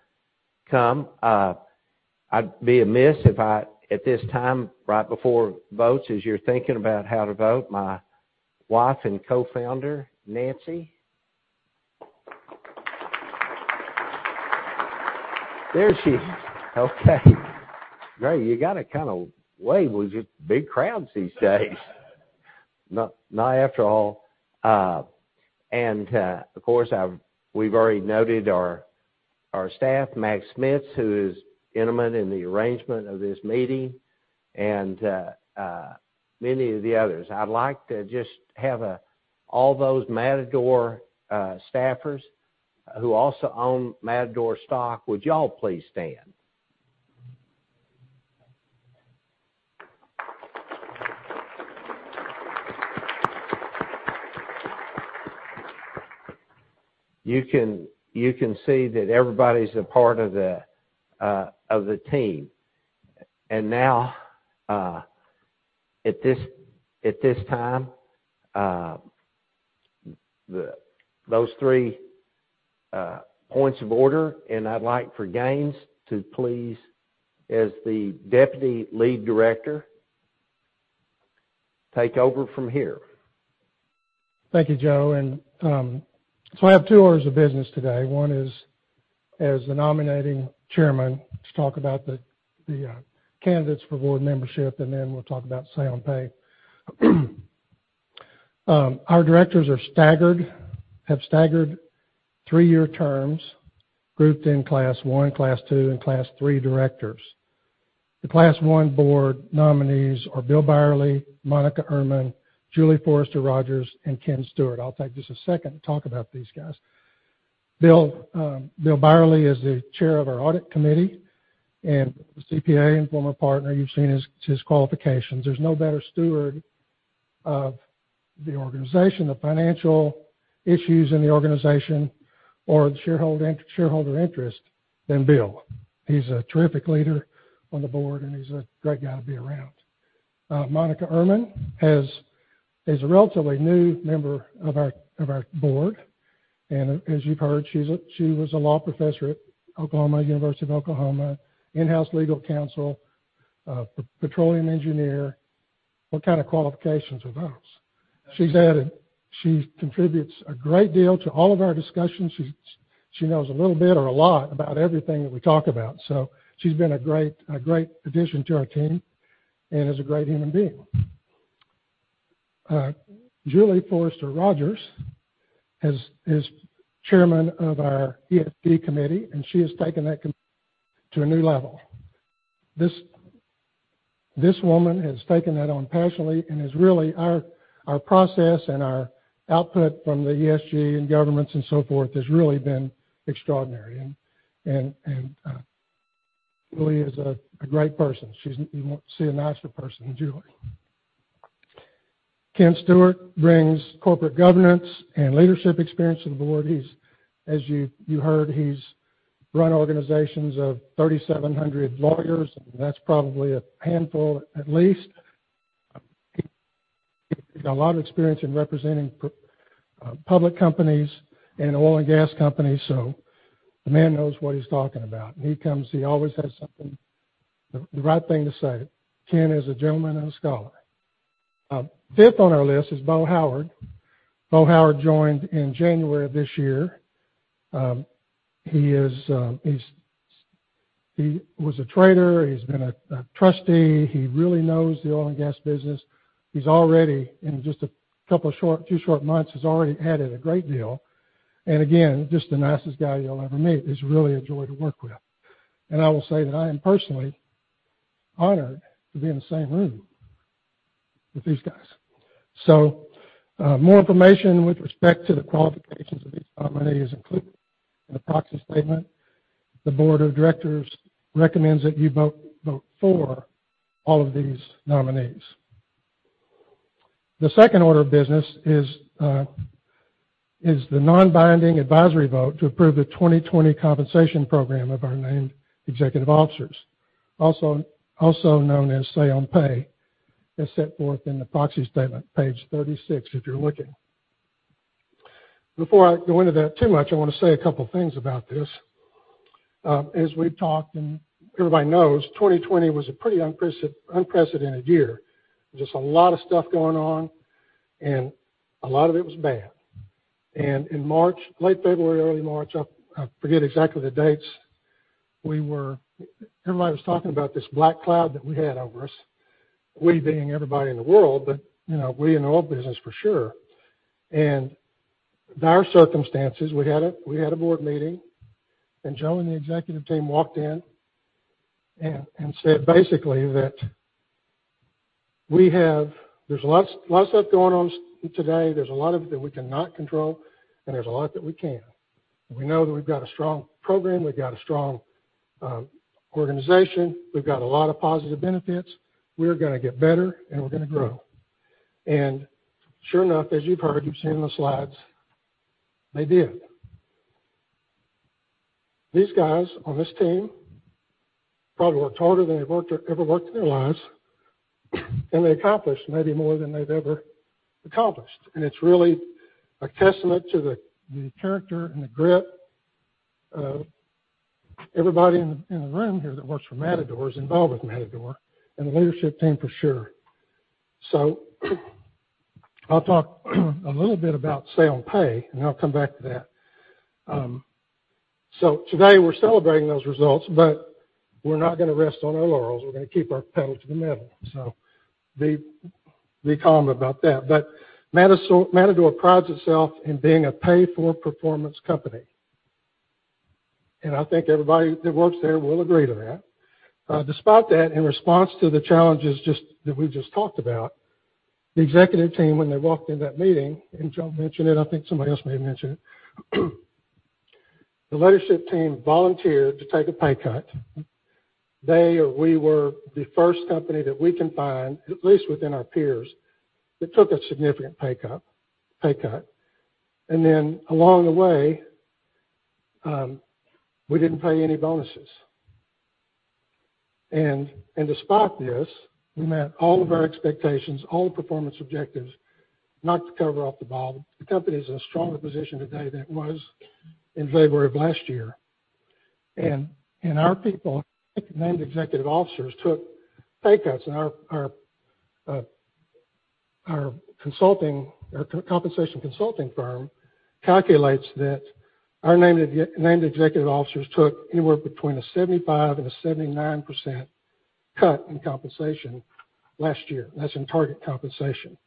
come. I'd be amiss if I, at this time, right before votes, as you're thinking about how to vote, my wife and co-founder, Nancy. There she is. Okay. No, you got to kind of wave. We're just big crowds these days. After all, we've already noted our staff, Mac Schmitz, who is intimate in the arrangement of this meeting and many of the others. I'd like to just have all those Matador staffers who also own Matador stock. Would y'all please stand? You can see that everybody's a part of the team. At this time, those three points of order, I'd like for Gaines to please, as the Deputy Lead Director, take over from here. Thank you, Joe. I have two orders of business today. One is as the nominating chairman to talk about the candidates for board membership, then we'll talk about say on pay. Our directors have staggered three-year terms, grouped in class one, class two, and class three directors. The class one board nominees are Bill Byerley, Monika Ehrman, Julia Forrester Rogers, and Ken Stewart. I'll take just a second to talk about these guys. Bill Byerley is the chair of our audit committee and a CPA and former partner. You've seen his qualifications. There's no better steward of the organization, the financial issues in the organization, or the shareholder interest than Bill. He's a terrific leader on the board, and he's a great guy to be around. Monika Ehrman is a relatively new member of our board. As you've heard, she was a law professor at University of Oklahoma, in-house legal counsel, petroleum engineer. What kind of qualifications are those? She contributes a great deal to all of our discussions. She knows a little bit or a lot about everything that we talk about. She's been a great addition to our team and is a great human being. Julie Forrester Rogers is chairman of our ESG committee. She has taken that committee to a new level. This woman has taken that on passionately and has really Our process and our output from the ESG and governments and so forth has really been extraordinary. Julie is a great person. You won't see a nicer person than Julie. Ken Stewart brings corporate governance and leadership experience to the board. As you heard, he's run organizations of 3,700 lawyers, that's probably a handful at least. He's got a lot of experience in representing public companies and oil and gas companies, the man knows what he's talking about. He always has the right thing to say. Ken is a gentleman and a scholar. Fifth on our list is Bo Howard. Bo Howard joined in January of this year. He was a trader. He's been a trustee. He really knows the oil and gas business. He's already, in just two short months, added a great deal. Again, just the nicest guy you'll ever meet. He's really a joy to work with. I will say that I am personally honored to be in the same room with these guys. More information with respect to the qualifications of these nominees is included in the proxy statement. The board of directors recommends that you vote for all of these nominees. The second order of business is the non-binding advisory vote to approve the 2020 compensation program of our named executive officers, also known as say on pay, as set forth in the proxy statement, page 36, if you're looking. Before I go into that too much, I want to say a couple things about this. As we've talked, and everybody knows, 2020 was a pretty unprecedented year. Just a lot of stuff going on, and a lot of it was bad. In March, late February, early March, I forget exactly the dates, everybody was talking about this black cloud that we had over us. We being everybody in the world, but we in the oil business for sure. Dire circumstances, we had a board meeting, Joe and the executive team walked in and said basically that there's a lot of stuff going on today. There's a lot of it that we cannot control, there's a lot that we can. We know that we've got a strong program, we've got a strong organization, we've got a lot of positive benefits. We are going to get better, we're going to grow. Sure enough, as you've heard, you've seen in the slides, they did. These guys on this team probably worked harder than they've ever worked in their lives, they accomplished maybe more than they've ever accomplished. It's really a testament to the character and the grit of everybody in the room here that works for Matador, is involved with Matador, and the leadership team for sure. I'll talk a little bit about say on pay, and I'll come back to that. Today, we're celebrating those results, but we're not going to rest on our laurels. We're going to keep our pedal to the metal. Be calm about that. Matador prides itself in being a pay-for-performance company, and I think everybody that works there will agree to that. Despite that, in response to the challenges that we just talked about, the executive team, when they walked into that meeting, and Joe mentioned it, I think somebody else may have mentioned it, the leadership team volunteered to take a pay cut. We were the first company that we can find, at least within our peers, that took a significant pay cut. Along the way, we didn't pay any bonuses. Despite this, we met all of our expectations, all the performance objectives. Not to cover up the ball. The company is in a stronger position today than it was in February of last year. Our people, named executive officers, took pay cuts. Our compensation consulting firm calculates that our named executive officers took anywhere between a 75% and a 79% cut in compensation last year. That's in target compensation.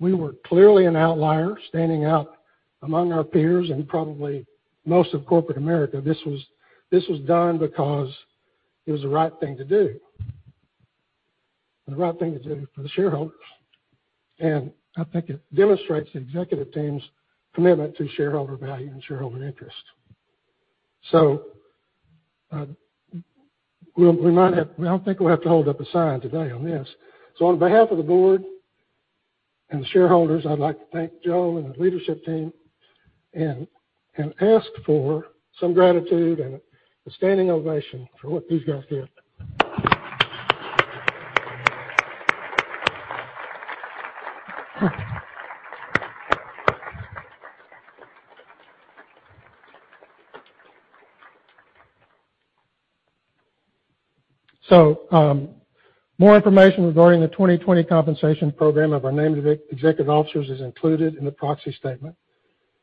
We were clearly an outlier standing out among our peers and probably most of corporate America. This was done because it was the right thing to do. It was the right thing to do for the shareholders, and I think it demonstrates the executive team's commitment to shareholder value and shareholder interest. I think we'll have to hold that aside today on this. On behalf of the board and shareholders, I'd like to thank Joe and the leadership team and ask for some gratitude and a standing ovation for what these guys did. More information regarding the 2020 compensation program of our named executive officers is included in the proxy statement.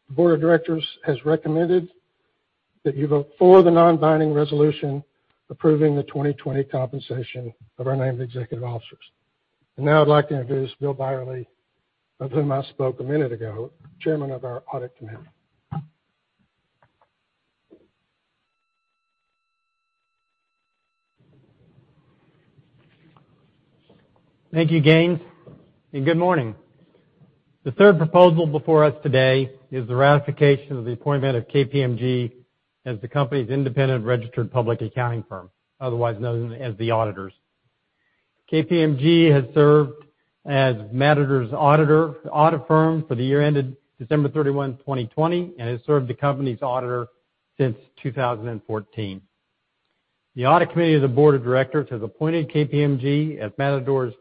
The board of directors has recommended that you vote for the non-binding resolution approving the 2020 compensation of our named executive officers. Now I'd like to introduce Bill Byerley, the gentleman I spoke a minute ago, chairman of our audit committee. Thank you, Gaines, and good morning. The third proposal before us today is the ratification of the appointment of KPMG as the company's independent registered public accounting firm, otherwise known as the auditors. KPMG has served as Matador's audit firm for the year ended December 31, 2020, and has served the company's auditor since 2014. The audit committee of the board of directors has appointed KPMG as Matador's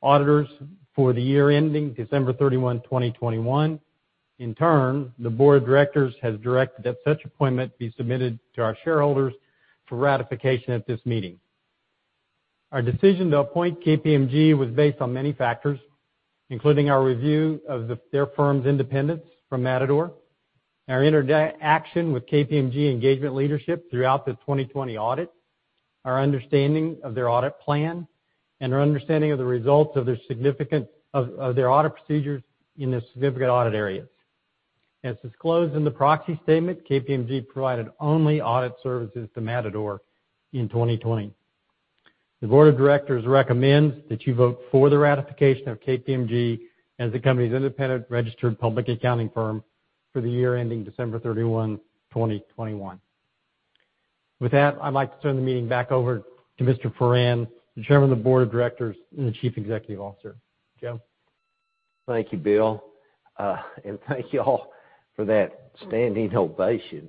auditors for the year ending December 31, 2021. In turn, the board of directors has directed that such appointment be submitted to our shareholders for ratification at this meeting. Our decision to appoint KPMG was based on many factors, including our review of their firm's independence from Matador, our interaction with KPMG engagement leadership throughout the 2020 audit, our understanding of their audit plan, and our understanding of the results of their audit procedures in the significant audit areas. As disclosed in the proxy statement, KPMG provided only audit services to Matador in 2020. The Board of Directors recommends that you vote for the ratification of KPMG as the company's independent registered public accounting firm for the year ending December 31, 2021. With that, I'd like to turn the meeting back over to Mr. Foran, the Chairman of the Board of Directors and the Chief Executive Officer. Joe. Thank you, Bill. Thank you all for that standing ovation.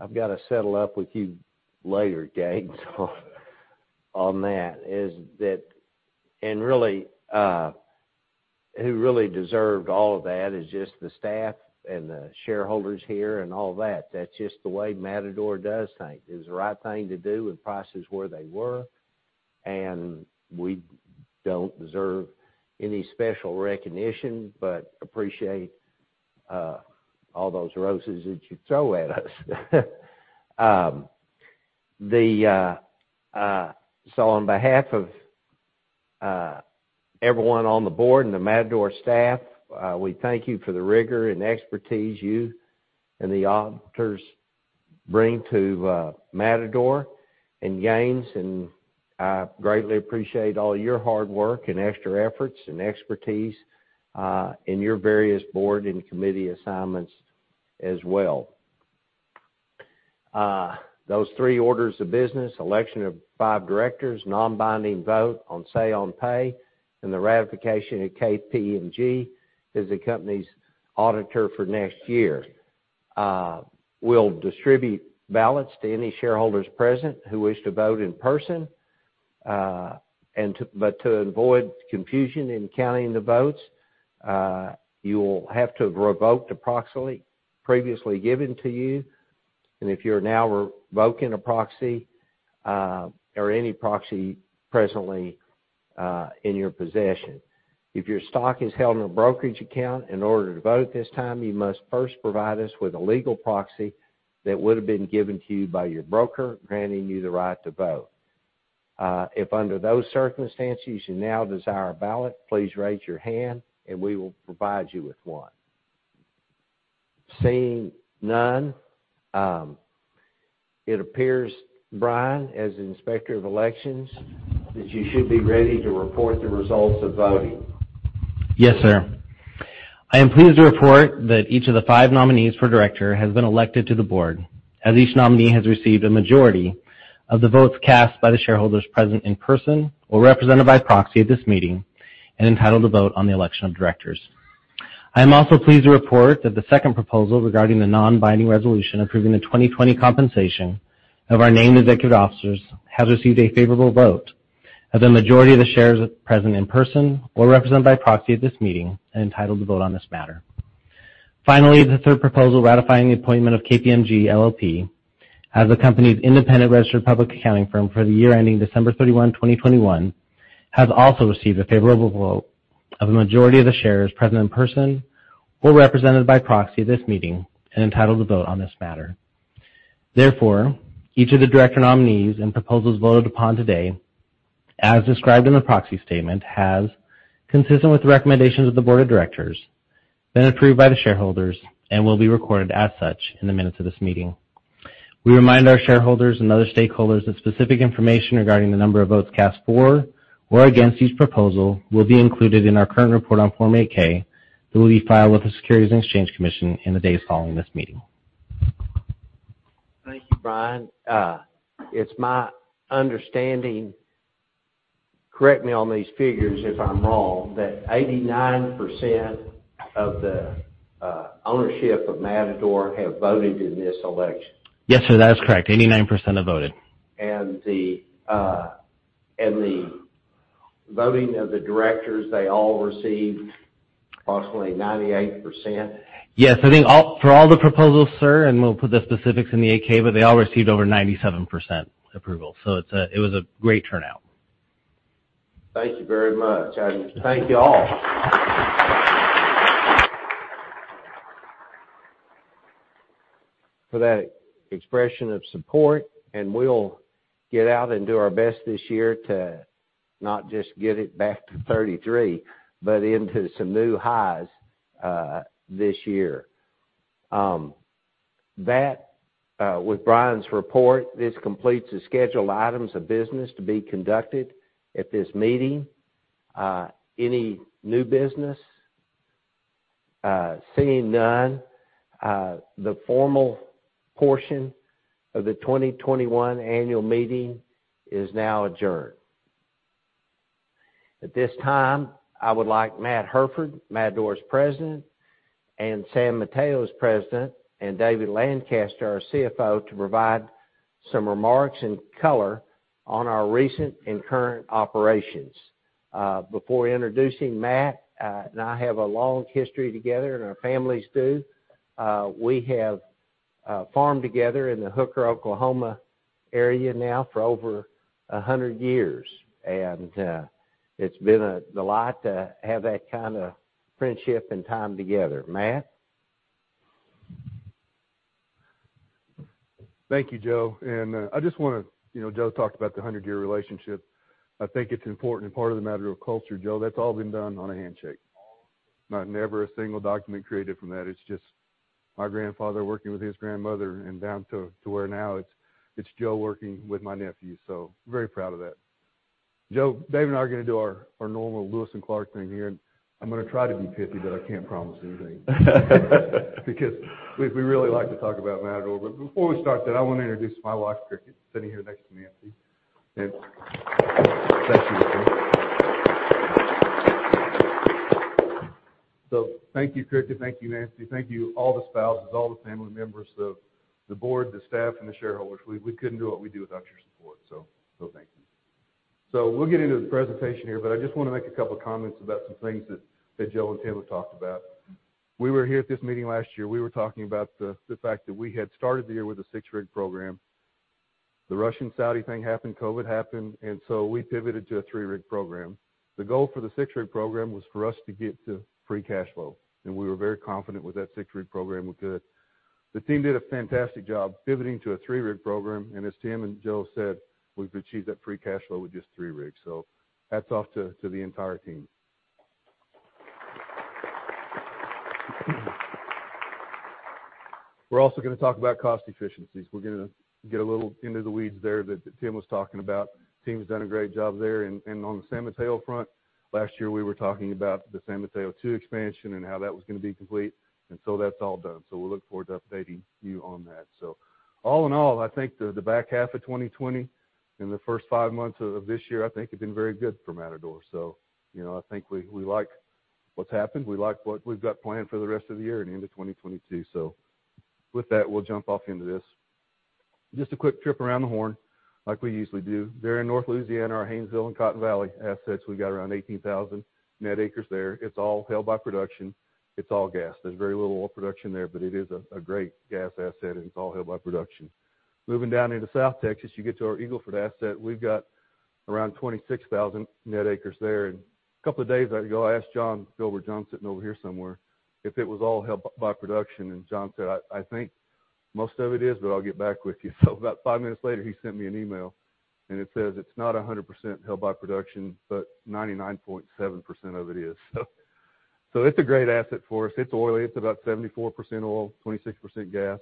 I've got to settle up with you later, Gaines, on that. Who really deserved all of that is just the staff and the shareholders here and all that. That's just the way Matador does things. It was the right thing to do with prices where they were, and we don't deserve any special recognition, but appreciate all those roses that you throw at us. On behalf of everyone on the board and the Matador staff, we thank you for the rigor and expertise you and the auditors bring to Matador. Gaines, and I greatly appreciate all your hard work and extra efforts and expertise in your various board and committee assignments as well. Those three orders of business, election of five directors, non-binding vote on say on pay, and the ratification of KPMG as the company's auditor for next year. We'll distribute ballots to any shareholders present who wish to vote in person. To avoid confusion in counting the votes, you will have to revoke the proxy previously given to you, and if you're now revoking a proxy or any proxy presently in your possession. If your stock is held in a brokerage account, in order to vote this time, you must first provide us with a legal proxy that would've been given to you by your broker granting you the right to vote. If under those circumstances you now desire a ballot, please raise your hand and we will provide you with one. Seeing none, it appears, Brian, as Inspector of Elections, that you should be ready to report the results of voting. Yes, sir. I am pleased to report that each of the five nominees for director has been elected to the board, as each nominee has received a majority of the votes cast by the shareholders present in person or represented by proxy at this meeting. Entitled to vote on the election of directors. I'm also pleased to report that the second proposal regarding the non-binding resolution approving the 2020 compensation of our named executive officers has received a favorable vote of the majority of the shares present in person or represented by proxy at this meeting, and entitled to vote on this matter. Finally, the third proposal ratifying the appointment of KPMG LLP as the company's independent registered public accounting firm for the year ending December 31, 2021, has also received a favorable vote of the majority of the shares present in person or represented by proxy at this meeting and entitled to vote on this matter. Therefore, each of the director nominees and proposals voted upon today, as described in the proxy statement, has, consistent with the recommendations of the Board of Directors, been approved by the shareholders and will be recorded as such in the minutes of this meeting. We remind our shareholders and other stakeholders that specific information regarding the number of votes cast for or against each proposal will be included in our current report on Form 8-K that will be filed with the Securities and Exchange Commission in the days following this meeting. Thank you, Brian. It's my understanding, correct me on these figures if I'm wrong, that 89% of the ownership of Matador have voted in this election. Yes, sir. That's correct. 89% have voted. The voting of the directors, they all received approximately 98%? Yes, I think for all the proposals, sir. We'll put the specifics in the 8-K. They all received over 97% approval. It was a great turnout. Thank you very much. Thank you all for that expression of support, and we'll get out and do our best this year to not just get it back to 33, but into some new highs this year. With Brian's report, this completes the scheduled items of business to be conducted at this meeting. Any new business? Seeing none, the formal portion of the 2021 annual meeting is now adjourned. At this time, I would like Matt Hairford, Matador's President, and San Mateo's President, and David Lancaster, our CFO, to provide some remarks and color on our recent and current operations. Before introducing Matt, I have a long history together, and our families do. We have farmed together in the Hooker, Oklahoma area now for over 100 years, it's been a delight to have that kind of friendship and time together. Matt? Thank you, Joe. Joe talked about the 100-year relationship. I think it's an important part of the Matador culture, Joe. That's all been done on a handshake. Not never a single document created from that. It's just my grandfather working with his grandmother and down to where now it's Joe working with my nephew. Very proud of that. Joe, David and I are going to do our normal Lewis and Clark thing here. I'm going to try to be 50, but I can't promise anything. Because we really like to talk about Matador. Before we start that, I want to introduce my wife, Cricket, sitting here next to Nancy, and thank you, again. Thank you, Cricket. Thank you, Nancy. Thank you, all the spouses, all the family members of the board, the staff, and the shareholders. We couldn't do what we do without your support, thank you. We'll get into the presentation here, but I just want to make a couple comments about some things that Joe and Tim Parker talked about. We were here at this meeting last year. We were talking about the fact that we had started the year with a six-rig program. The Russian-Saudi thing happened, COVID happened, and so we pivoted to a three-rig program. The goal for the six-rig program was for us to get to free cash flow, and we were very confident with that six-rig program because the team did a fantastic job pivoting to a three-rig program. As Tim and Joe said, we've achieved that free cash flow with just three rigs. Hats off to the entire team. We're also going to talk about cost efficiencies. We're going to get a little into the weeds there that Tim was talking about. Team's done a great job there. On the San Mateo front, last year, we were talking about the San Mateo II expansion and how that was going to be complete, that's all done. We look forward to updating you on that. All in all, I think the back half of 2020 and the first five months of this year, I think have been very good for Matador. I think we like what's happened. We like what we've got planned for the rest of the year and into 2022. With that, we'll jump off into this. Just a quick trip around the horn like we usually do. There in North Louisiana, our Haynesville and Cotton Valley assets, we got around 18,000 net acres there. It's all held by production. It's all gas. There's very little oil production there, but it is a great gas asset, and it's all held by production. Moving down into South Texas, you get to our Eagle Ford asset. We've got around 26,000 net acres there. A couple of days ago, I asked Phil or John sitting over here somewhere, if it was all held by production, and John said, "I think most of it is, but I'll get back with you." About five minutes later, he sent me an email, and it says it's not 100% held by production, but 99.7% of it is. That's a great asset for us. It's oily. It's about 74% oil, 26% gas.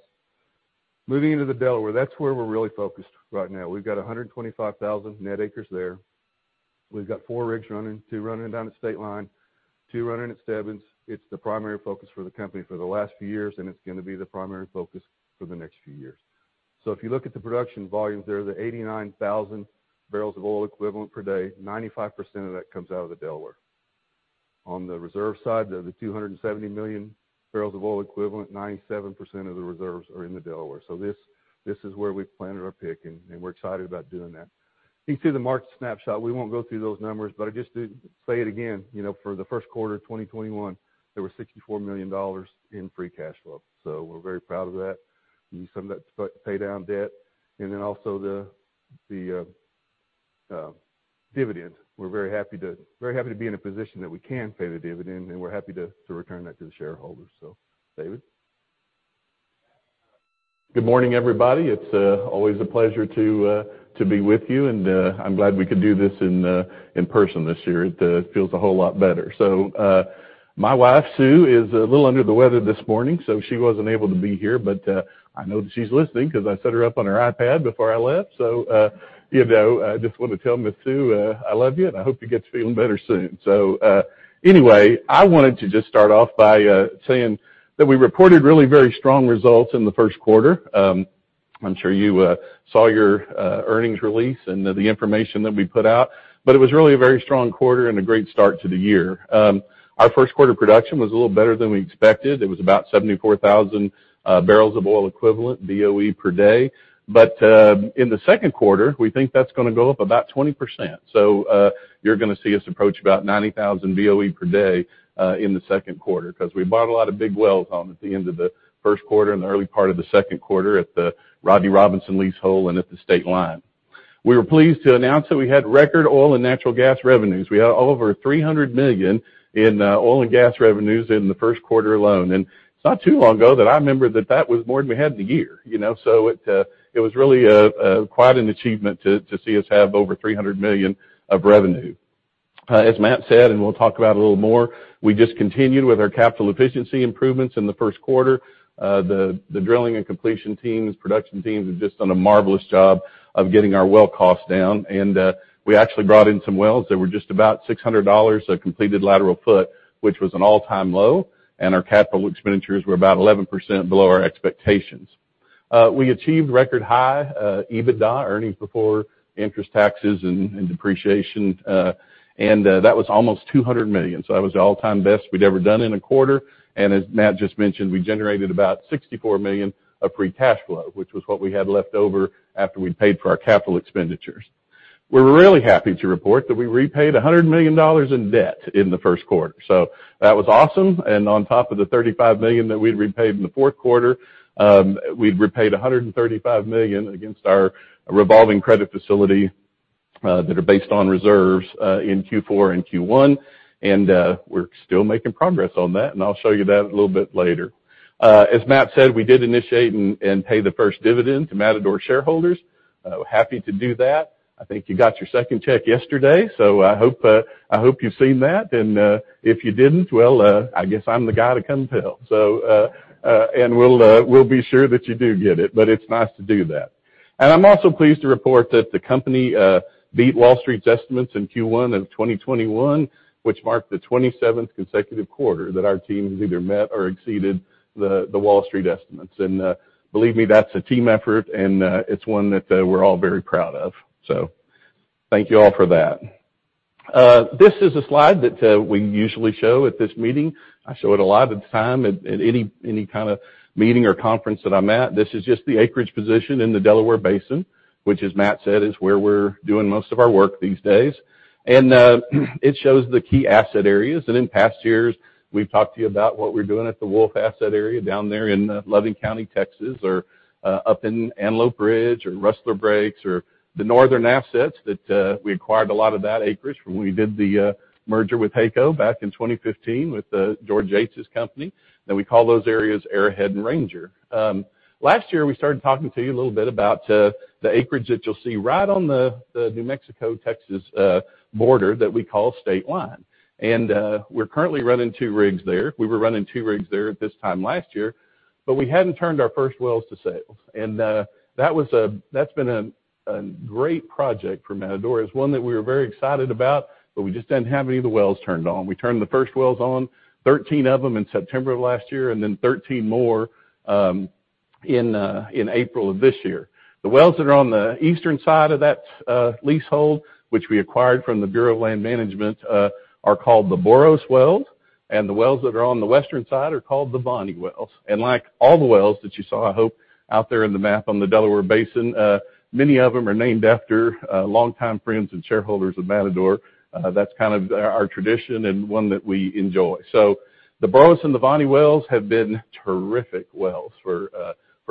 Moving into the Delaware, that's where we're really focused right now. We've got 125,000 net acres there. We've got four rigs running, two running down at Stateline, two running at Stebbins. It's the primary focus for the company for the last few years, and it's going to be the primary focus for the next few years. If you look at the production volumes there, the 89,000 barrels of oil equivalent per day, 95% of that comes out of the Delaware. On the reserve side, of the 270 million barrels of oil equivalent, 97% of the reserves are in the Delaware. This is where we planted our pick, and we're excited about doing that. You see the March snapshot. We won't go through those numbers, but just to say it again, for the first quarter of 2021, there was $64 million in free cash flow. We're very proud of that. We used some of that to pay down debt, and then also the dividend. We're very happy to be in a position that we can pay the dividend, and we're happy to return that to the shareholders. David? Good morning, everybody. It's always a pleasure to be with you, and I'm glad we could do this in person this year. It feels a whole lot better. My wife, Sue, is a little under the weather this morning, so she wasn't able to be here, but I know that she's listening because I set her up on her iPad before I left. I just want to tell Miss Sue I love you, and I hope you get to feeling better soon. Anyway, I wanted to just start off by saying that we reported really very strong results in the first quarter. I'm sure you saw your earnings release and the information that we put out, but it was really a very strong quarter and a great start to the year. Our first quarter production was a little better than we expected. It was about 74,000 barrels of oil equivalent, BOE, per day. In the second quarter, we think that's going to go up about 20%. You're going to see us approach about 90,000 BOE per day in the second quarter because we bought a lot of big wells at the end of the first quarter and early part of the second quarter at the Rodney Robinson leasehold and at the Stateline. We were pleased to announce that we had record oil and natural gas revenues. We had over $300 million in oil and gas revenues in the first quarter alone. It's not too long ago that I remember that that was more than we had in a year. It was really quite an achievement to see us have over $300 million of revenue. As Matt said, we'll talk about it a little more, we just continued with our capital efficiency improvements in the first quarter. The drilling and completion teams, production teams have just done a marvelous job of getting our well costs down. We actually brought in some wells that were just about $600 a completed lateral foot, which was an all-time low. Our capital expenditures were about 11% below our expectations. We achieved record high EBITDA, earnings before interest, taxes, and depreciation. That was almost $200 million. That was the all-time best we'd ever done in a quarter, and as Matt just mentioned, we generated about $64 million of free cash flow, which was what we had left over after we paid for our capital expenditures. We're really happy to report that we repaid $100 million in debt in the first quarter. That was awesome. On top of the $35 million that we'd repaid in the fourth quarter, we'd repaid $135 million against our revolving credit facility that are based on reserves in Q4 and Q1. We're still making progress on that, and I'll show you that a little bit later. As Matt said, we did initiate and pay the first dividend to Matador shareholders. Happy to do that. I think you got your second check yesterday. I hope you've seen that. If you didn't, well, I guess I'm the guy to come tell. We'll be sure that you do get it, but it's nice to do that. I'm also pleased to report that the company beat Wall Street estimates in Q1 of 2021, which marked the 27th consecutive quarter that our team has either met or exceeded the Wall Street estimates. Believe me, that's a team effort, and it's one that we're all very proud of. Thank you all for that. This is a slide that we usually show at this meeting. I show it a lot of the time at any kind of meeting or conference that I'm at. This is just the acreage position in the Delaware Basin, which, as Matt said, is where we're doing most of our work these days. It shows the key asset areas. In past years, we've talked to you about what we're doing at the Wolf Asset area down there in Loving County, Texas, or up in Antelope Ridge, or Rustler Breaks, or the northern assets that we acquired a lot of that acreage when we did the merger with HEYCO back in 2015 with George Yates' company, and we call those areas Arrowhead and Ranger. Last year, we started talking to you a little bit about the acreage that you'll see right on the New Mexico-Texas border that we call Stateline. We're currently running two rigs there. We were running two rigs there at this time last year, but we hadn't turned our first wells to sale. That's been a great project for Matador. It's one that we were very excited about, but we just didn't have any of the wells turned on. We turned the first wells on, 13 of them in September of last year, then 13 more in April of this year. The wells that are on the eastern side of that leasehold, which we acquired from the Bureau of Land Management, are called the Boros wells, the wells that are on the western side are called the Voni wells. Like all the wells that you saw, I hope, out there in the map on the Delaware Basin, many of them are named after longtime friends and shareholders of Matador. That's kind of our tradition and one that we enjoy. The Boros and the Voni wells have been terrific wells for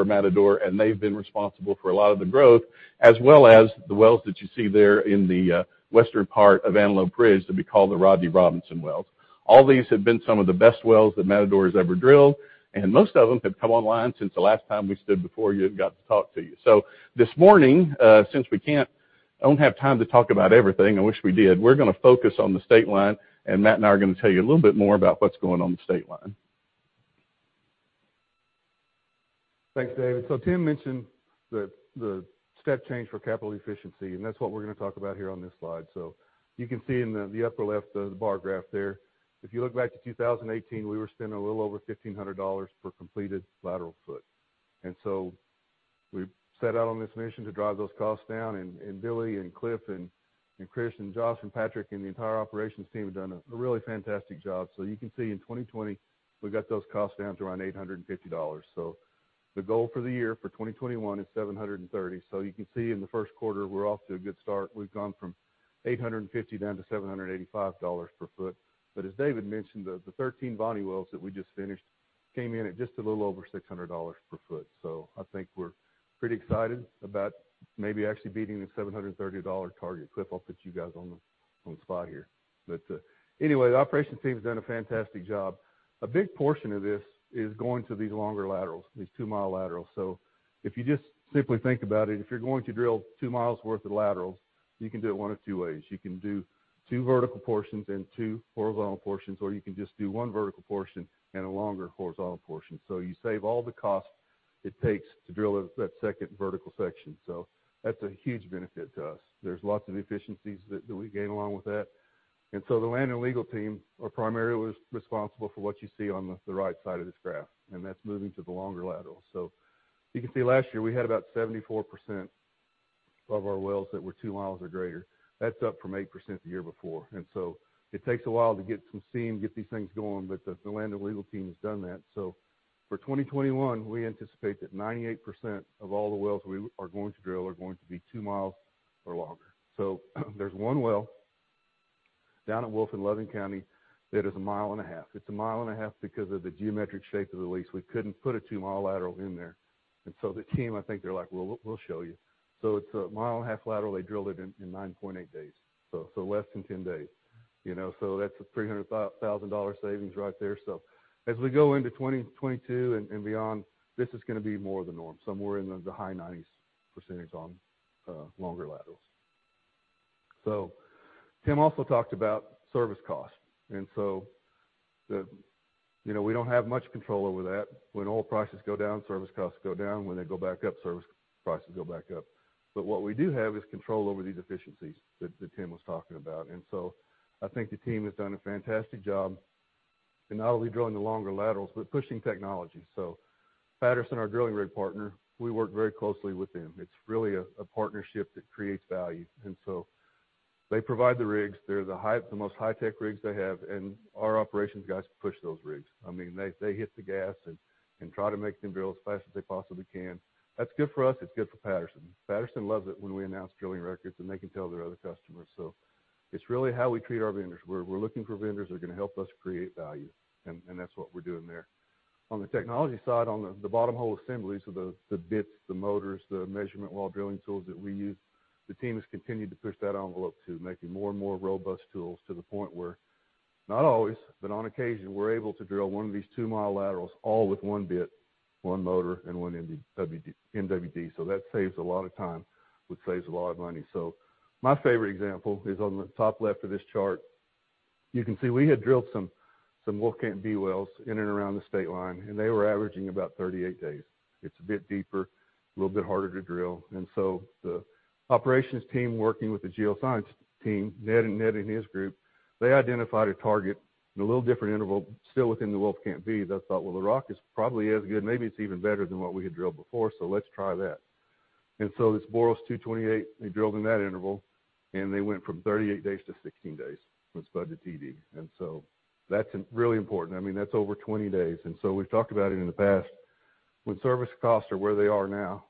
Matador, and they've been responsible for a lot of the growth, as well as the wells that you see there in the western part of Antelope Ridge that we call the Rodney Robinson wells. All these have been some of the best wells that Matador's ever drilled, and most of them have come online since the last time we stood before you and got to talk to you. This morning, since we don't have time to talk about everything, I wish we did, we're going to focus on the Stateline, and Matt and I are going to tell you a little bit more about what's going on with the Stateline. Thanks, David. Tim mentioned the step change for capital efficiency, and that's what we're going to talk about here on this slide. You can see in the upper left, the bar graph there. If you look back to 2018, we were spending a little over $1,500 per completed lateral foot. We set out on this mission to drive those costs down, and Billy and Cliff and Chris and Josh and Patrick, and the entire operations team have done a really fantastic job. You can see in 2020, we got those costs down to around $850. The goal for the year for 2021 is $730. You can see in the first quarter, we're off to a good start. We've gone from $850 down to $785 per foot. As David mentioned, the 13 Voni wells that we just finished came in at just a little over $600 per foot. I think we're pretty excited about maybe actually beating the $730 target. Cliff, I'll put you guys on the spot here. Anyway, the operations team's done a fantastic job. A big portion of this is going to these longer laterals, these 2 mi laterals. If you just simply think about it, if you're going to drill two miles worth of laterals, you can do it one of two ways. You can do two vertical portions and two horizontal portions, or you can just do one vertical portion and a longer horizontal portion. You save all the cost it takes to drill that second vertical section. That's a huge benefit to us. There's lots of efficiencies that we gain along with that. The land and legal team are primarily responsible for what you see on the right side of this graph, and that's moving to the longer lateral. You can see last year we had about 74% of our wells that were two miles or greater. That's up from 8% the year before. It takes a while to get some steam, get these things going, but the land and legal team has done that. For 2021, we anticipate that 98% of all the wells we are going to drill are going to be two miles or longer. There's one well down at Wolfcamp in Loving County that is a mile and a half. It's a mile and a half because of the geometric shape of the lease. We couldn't put a two-mile lateral in there. The team, I think they're like, "Well, we'll show you." It's a mile and a half lateral. They drilled it in 9.8 days, so less than 10 days. That's a $300,000 savings right there. As we go into 2022 and beyond, this is gonna be more the norm. Somewhere in the high 90s % on longer laterals. Tim also talked about service cost, we don't have much control over that. When oil prices go down, service costs go down. When they go back up, service prices go back up. What we do have is control over the efficiencies that the team was talking about. I think the team has done a fantastic job in not only drilling the longer laterals, but pushing technology. Patterson, our drilling rig partner, we work very closely with them. It's really a partnership that creates value. They provide the rigs. They're the most high-tech rigs they have. Our operations guys push those rigs. They hit the gas and try to make them drill as fast as they possibly can. That's good for us. It's good for Patterson. Patterson loves it when we announce drilling records, and they can tell their other customers. It's really how we create our vendors. We're looking for vendors that are going to help us create value, and that's what we're doing there. On the technology side, on the bottom hole assemblies, the bits, the motors, the measurement while drilling tools that we use, the team has continued to push that envelope too, making more and more robust tools to the point where not always, but on occasion, we're able to drill one of these 2 mi laterals all with one bit, one motor, and one MWD. That saves a lot of time, which saves a lot of money. My favorite example is on the top left of this chart. You can see we had drilled some Wolfcamp B wells in and around the Stateline, and they were averaging about 38 days. It's a bit deeper, a little bit harder to drill. The operations team, working with the geoscience team, Ned and his group, they identified a target in a little different interval, still within the Wolfcamp B, that thought, "Well, the rock is probably as good. Maybe it's even better than what we had drilled before, so let's try that." This Boros 228, they drilled in that interval, and they went from 38 days to 16 days from spud to TD. That's really important. That's over 20 days. We've talked about it in the past. When service costs are where they are now,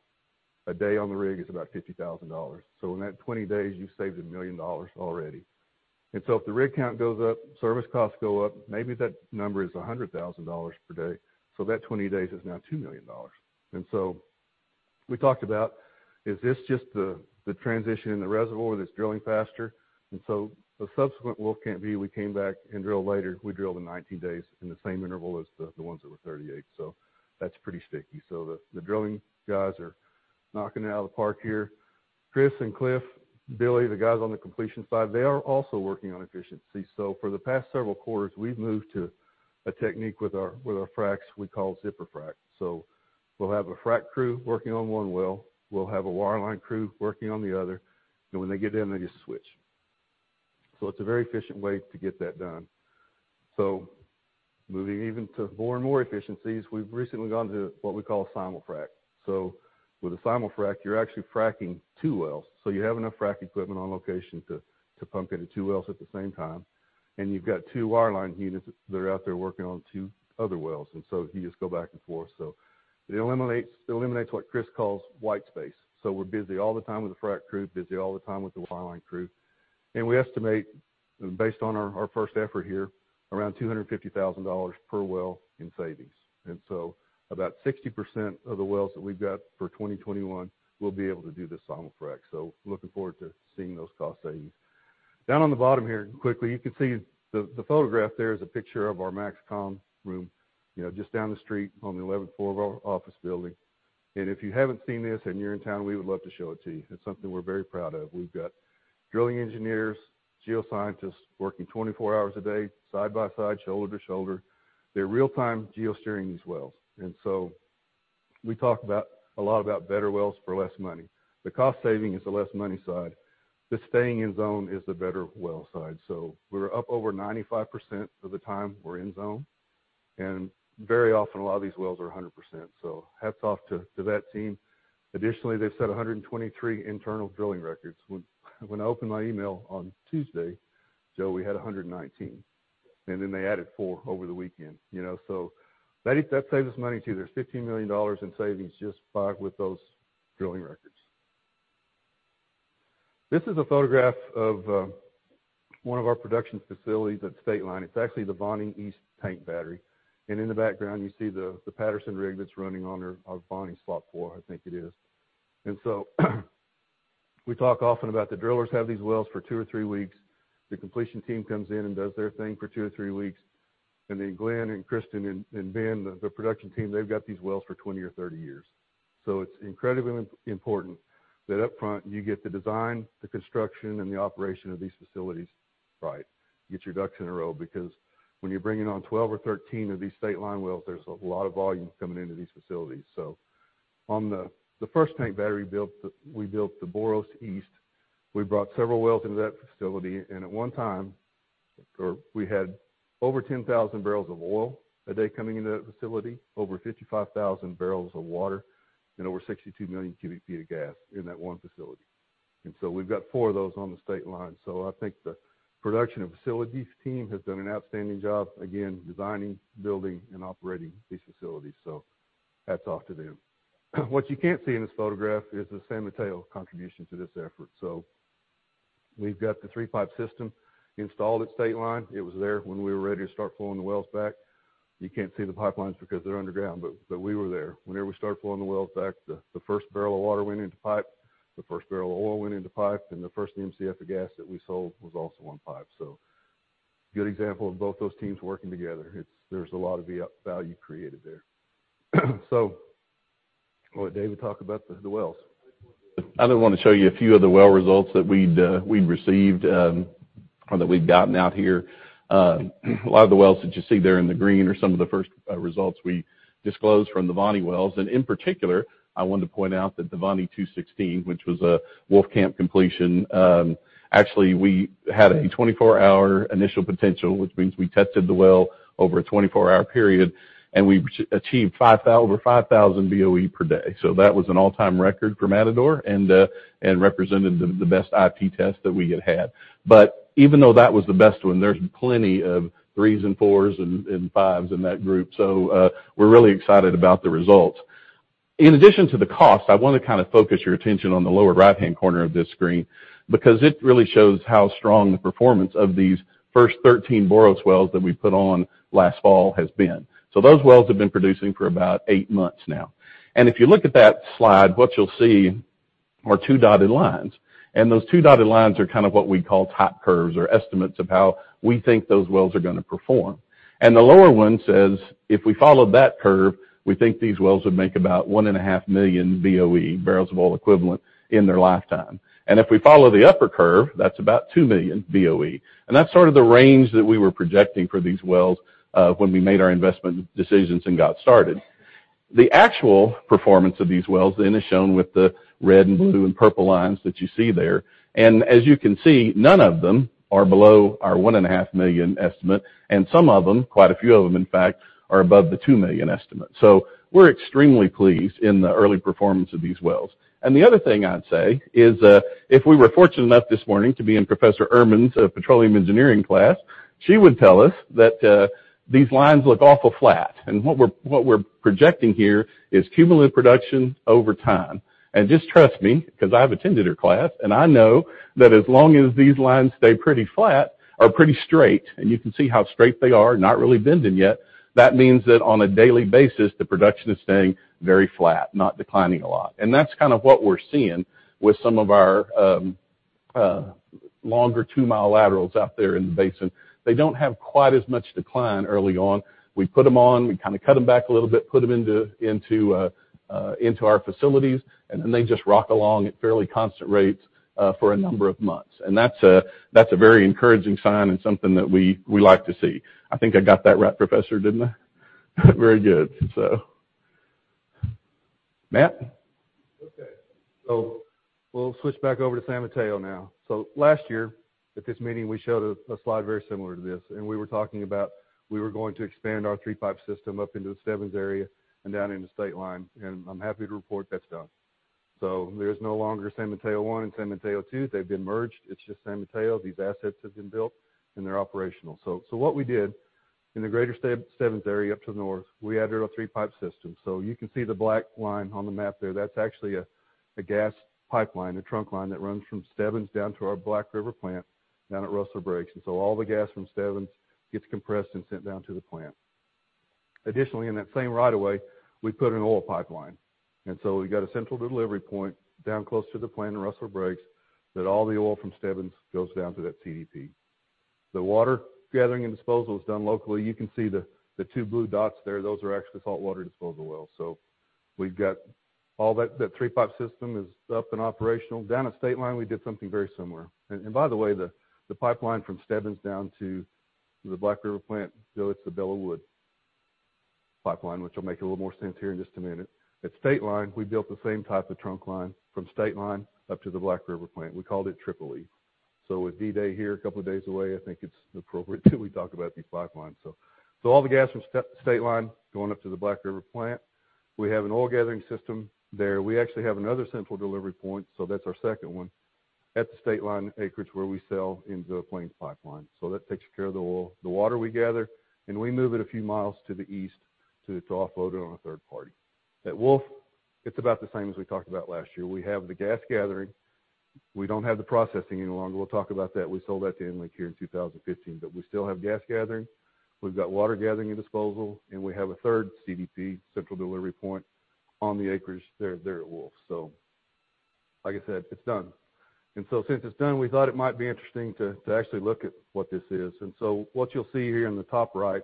a day on the rig is about $50,000. In that 20 days, you've saved $1 million already. If the rig count goes up, service costs go up. Maybe that number is $100,000 per day. That 20 days is now $2 million. We talked about is this just the transition in the reservoir that's drilling faster? The subsequent Wolfcamp B, we came back and drilled later. We drilled in 19 days in the same interval as the ones that were 38. That's pretty sticky. The drilling guys are knocking it out of the park here. Chris and Cliff, Billy, the guys on the completion side, they are also working on efficiency. For the past several quarters, we've moved to a technique with our fracs we call zipper frac. We'll have a frac crew working on one well, we'll have a wireline crew working on the other, and when they get in, they just switch. It's a very efficient way to get that done. Moving even to more and more efficiencies, we've recently gone to what we call a simul frac. With a simul frac, you're actually fracking two wells. You have enough frac equipment on location to pump into two wells at the same time. You've got two wireline units that are out there working on two other wells. You just go back and forth. It eliminates what Chris calls white space. We're busy all the time with the frac crew, busy all the time with the wireline crew. We estimate based on our first effort here, around $250,000 per well in savings. About 60% of the wells that we've got for 2021 will be able to do the simul frac. Looking forward to seeing those cost savings. Down at the bottom here quickly, you can see the photograph there is a picture of our MAXCOM room just down the street on the 11th floor of our office building. If you haven't seen this and you're in town, we would love to show it to you. It's something we're very proud of. We've got drilling engineers, geoscientists working 24 hours a day, side by side, shoulder to shoulder. They're real-time geosteering these wells. We talk a lot about better wells for less money. The cost saving is the less money side. The staying in zone is the better well side. We're up over 95% of the time we're in zone, and very often a lot of these wells are 100%. Hats off to that team. Additionally, they set 123 internal drilling records. When I opened my email on Tuesday, Joe, we had 119, and then they added four over the weekend. That saves us money, too. There's $15 million in savings just with those drilling records. This is a photograph of one of our production facilities at the Stateline. It's actually the Voni East Tank Battery. In the background, you see the Patterson rig that's running on our Voni spot four, I think it is. We talk often about the drillers have these wells for two or three weeks. The completion team comes in and does their thing for two or three weeks. Glenn and Christian and Ben, the production team, they've got these wells for 20 or 30 years. It's incredibly important that up front you get the design, the construction, and the operation of these facilities right. Get your ducks in a row, because when you're bringing on 12 or 13 of these Stateline wells, there's a lot of volume coming into these facilities. On the first tank battery we built the Boros East. We brought several wells into that facility, and at one time, we had over 10,000 barrels of oil a day coming into that facility, over 55,000 barrels of water, and over 62 million cubic feet of gas in that one facility. We've got four of those on the Stateline. I think the production facilities team has done an outstanding job, again, designing, building, and operating these facilities. Hats off to them. What you can't see in this photograph is the San Mateo contribution to this effort. We've got the three-pipe system installed at Stateline. It was there when we were ready to start pulling the wells back. You can't see the pipelines because they're underground, but we were there. We started pulling the wells back, the first barrel of water went into pipe, the first barrel of oil went into pipe, and the first MCF of gas that we sold was also on pipe. A good example of both those teams working together. There's a lot of value created there. I'll let David talk about the wells. I want to show you a few of the well results that we've received or that we've gotten out here. A lot of the wells that you see there in the green are some of the first results we disclosed from the Voni wells. In particular, I wanted to point out that the Voni 216H, which was a Wolfcamp completion. Actually, we had a 24-hour initial potential, which means we tested the well over a 24-hour period, and we achieved 5,000 BOE per day. That was an all-time record for Matador and represented the best IP test that we had had. Even though that was the best one, there's plenty of threes and fours and fives in that group. We're really excited about the results. In addition to the cost, I want to focus your attention on the lower right-hand corner of this screen, because it really shows how strong the performance of these first 13 Boros wells that we put on last fall has been. Those wells have been producing for about eight months now. If you look at that slide, what you'll see are two dotted lines. Those two dotted lines are what we call type curves or estimates of how we think those wells are going to perform. The lower one says, if we follow that curve, we think these wells would make about one and a half million BOE, barrels of oil equivalent, in their lifetime. If we follow the upper curve, that's about 2 million BOE. That's sort of the range that we were projecting for these wells when we made our investment decisions and got started. The actual performance of these wells, then, is shown with the red and blue and purple lines that you see there. As you can see, none of them are below our one and a half million estimate, and some of them, quite a few of them, in fact, are above the $2 million estimate. We're extremely pleased in the early performance of these wells. The other thing I'd say is if we were fortunate enough this morning to be in Professor Ehrman's petroleum engineering class, she would tell us that these lines look awful flat. What we're projecting here is cumulative production over time. Just trust me, because I've attended her class, and I know that as long as these lines stay pretty flat or pretty straight, and you can see how straight they are, not really bending yet. That means that on a daily basis, the production is staying very flat, not declining a lot. That's what we're seeing with some of our longer two-mile laterals out there in the basin. They don't have quite as much decline early on. We put them on, we cut them back a little bit, put them into our facilities, and then they just rock along at fairly constant rates for a number of months. That's a very encouraging sign and something that we like to see. I think I got that right, Professor, didn't I? Very good. Matt. Okay. We'll switch back over to San Mateo now. Last year at this meeting, we showed a slide very similar to this, and we were talking about we were going to expand our three-pipe system up into the Stebbins area and down into Stateline, and I'm happy to report that's done. There's no longer San Mateo I and San Mateo II. They've been merged. It's just San Mateo. These assets have been built, and they're operational. What we did in the greater Stebbins area up to the north, we added our three-pipe system. You can see the black line on the map there. That's actually a gas pipeline, a trunk line that runs from Stebbins down to our Black River plant down at Rustler Breaks. All the gas from Stebbins gets compressed and sent down to the plant. Additionally, in that same right of way, we put an oil pipeline. We've got a central delivery point down close to the plant at Rustler Breaks that all the oil from Stebbins goes down to that CDP. The water gathering and disposal is done locally. You can see the two blue dots there. Those are actually saltwater disposal wells. We've got all that three pipe system is up and operational. Down at Stateline, we did something very similar. By the way, the pipeline from Stebbins down to the Black River plant, it's the Belleau Wood pipeline, which will make a little more sense here in just a minute. At Stateline, we built the same type of trunk line from Stateline up to the Black River plant. We called it Tripoli. With D-Day here a couple of days away, I think it's appropriate that we talk about these pipelines. All the gas from Stateline going up to the Black River plant, we have an oil gathering system there. We actually have another Central Delivery Point. That's our second one at the Stateline acreage where we sell into Plains Pipeline. That takes care of the oil. The water we gather, and we move it a few miles to the east to drop load on a third party. At Wolfcamp, it's about the same as we talked about last year. We have the gas gathering. We don't have the processing any longer. We'll talk about that. We sold that to EnLink here in 2015. We still have gas gathering, we've got water gathering and disposal, and we have a third CDP, Central Delivery Point, on the acreage there at Wolfcamp. Like I said, it's done. Since it's done, we thought it might be interesting to actually look at what this is. What you'll see here in the top right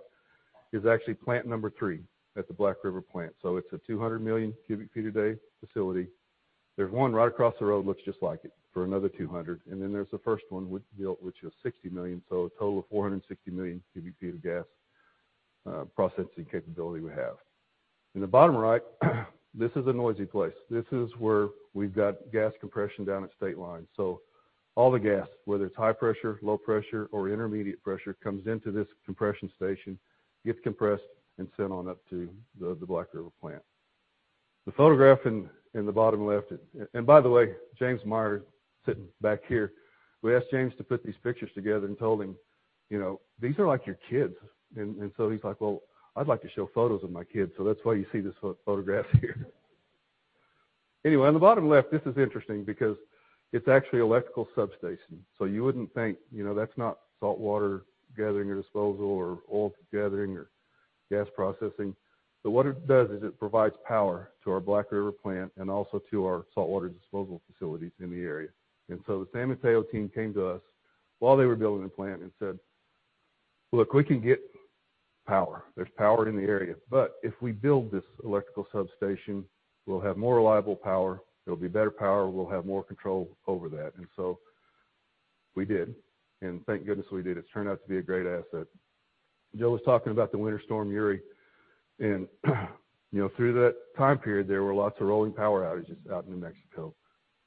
is actually plant number three at the Black River plant. It's a 200 million cubic feet a day facility. There's one right across the road looks just like it for another 200. There's the first one we built, which is 60 million. A total of 460 million cubic feet of gas processing capability we have. In the bottom right, this is a noisy place. This is where we've got gas compression down at Stateline. All the gas, whether it's high pressure, low pressure, or intermediate pressure, comes into this compression station, gets compressed, and sent on up to the Black River plant. The photograph in the bottom left. By the way, James Meyer sitting back here, we asked James to put these pictures together and told him, "These are like your kids." He's like, "Well, I'd like to show photos of my kids." That's why you see this photograph here. In the bottom left, this is interesting because it's actually electrical substation. You wouldn't think, that's not saltwater gathering or disposal or oil gathering or gas processing. What it does is it provides power to our Black River plant and also to our saltwater disposal facilities in the area. The San Mateo team came to us while they were building the plant and said, "Look, we can get power. There's power in the area. If we build this electrical substation, we'll have more reliable power, there'll be better power, we'll have more control over that." We did. Thank goodness we did. It turned out to be a great asset. Joe was talking about the Winter Storm Uri, and through that time period, there were lots of rolling power outages out in New Mexico.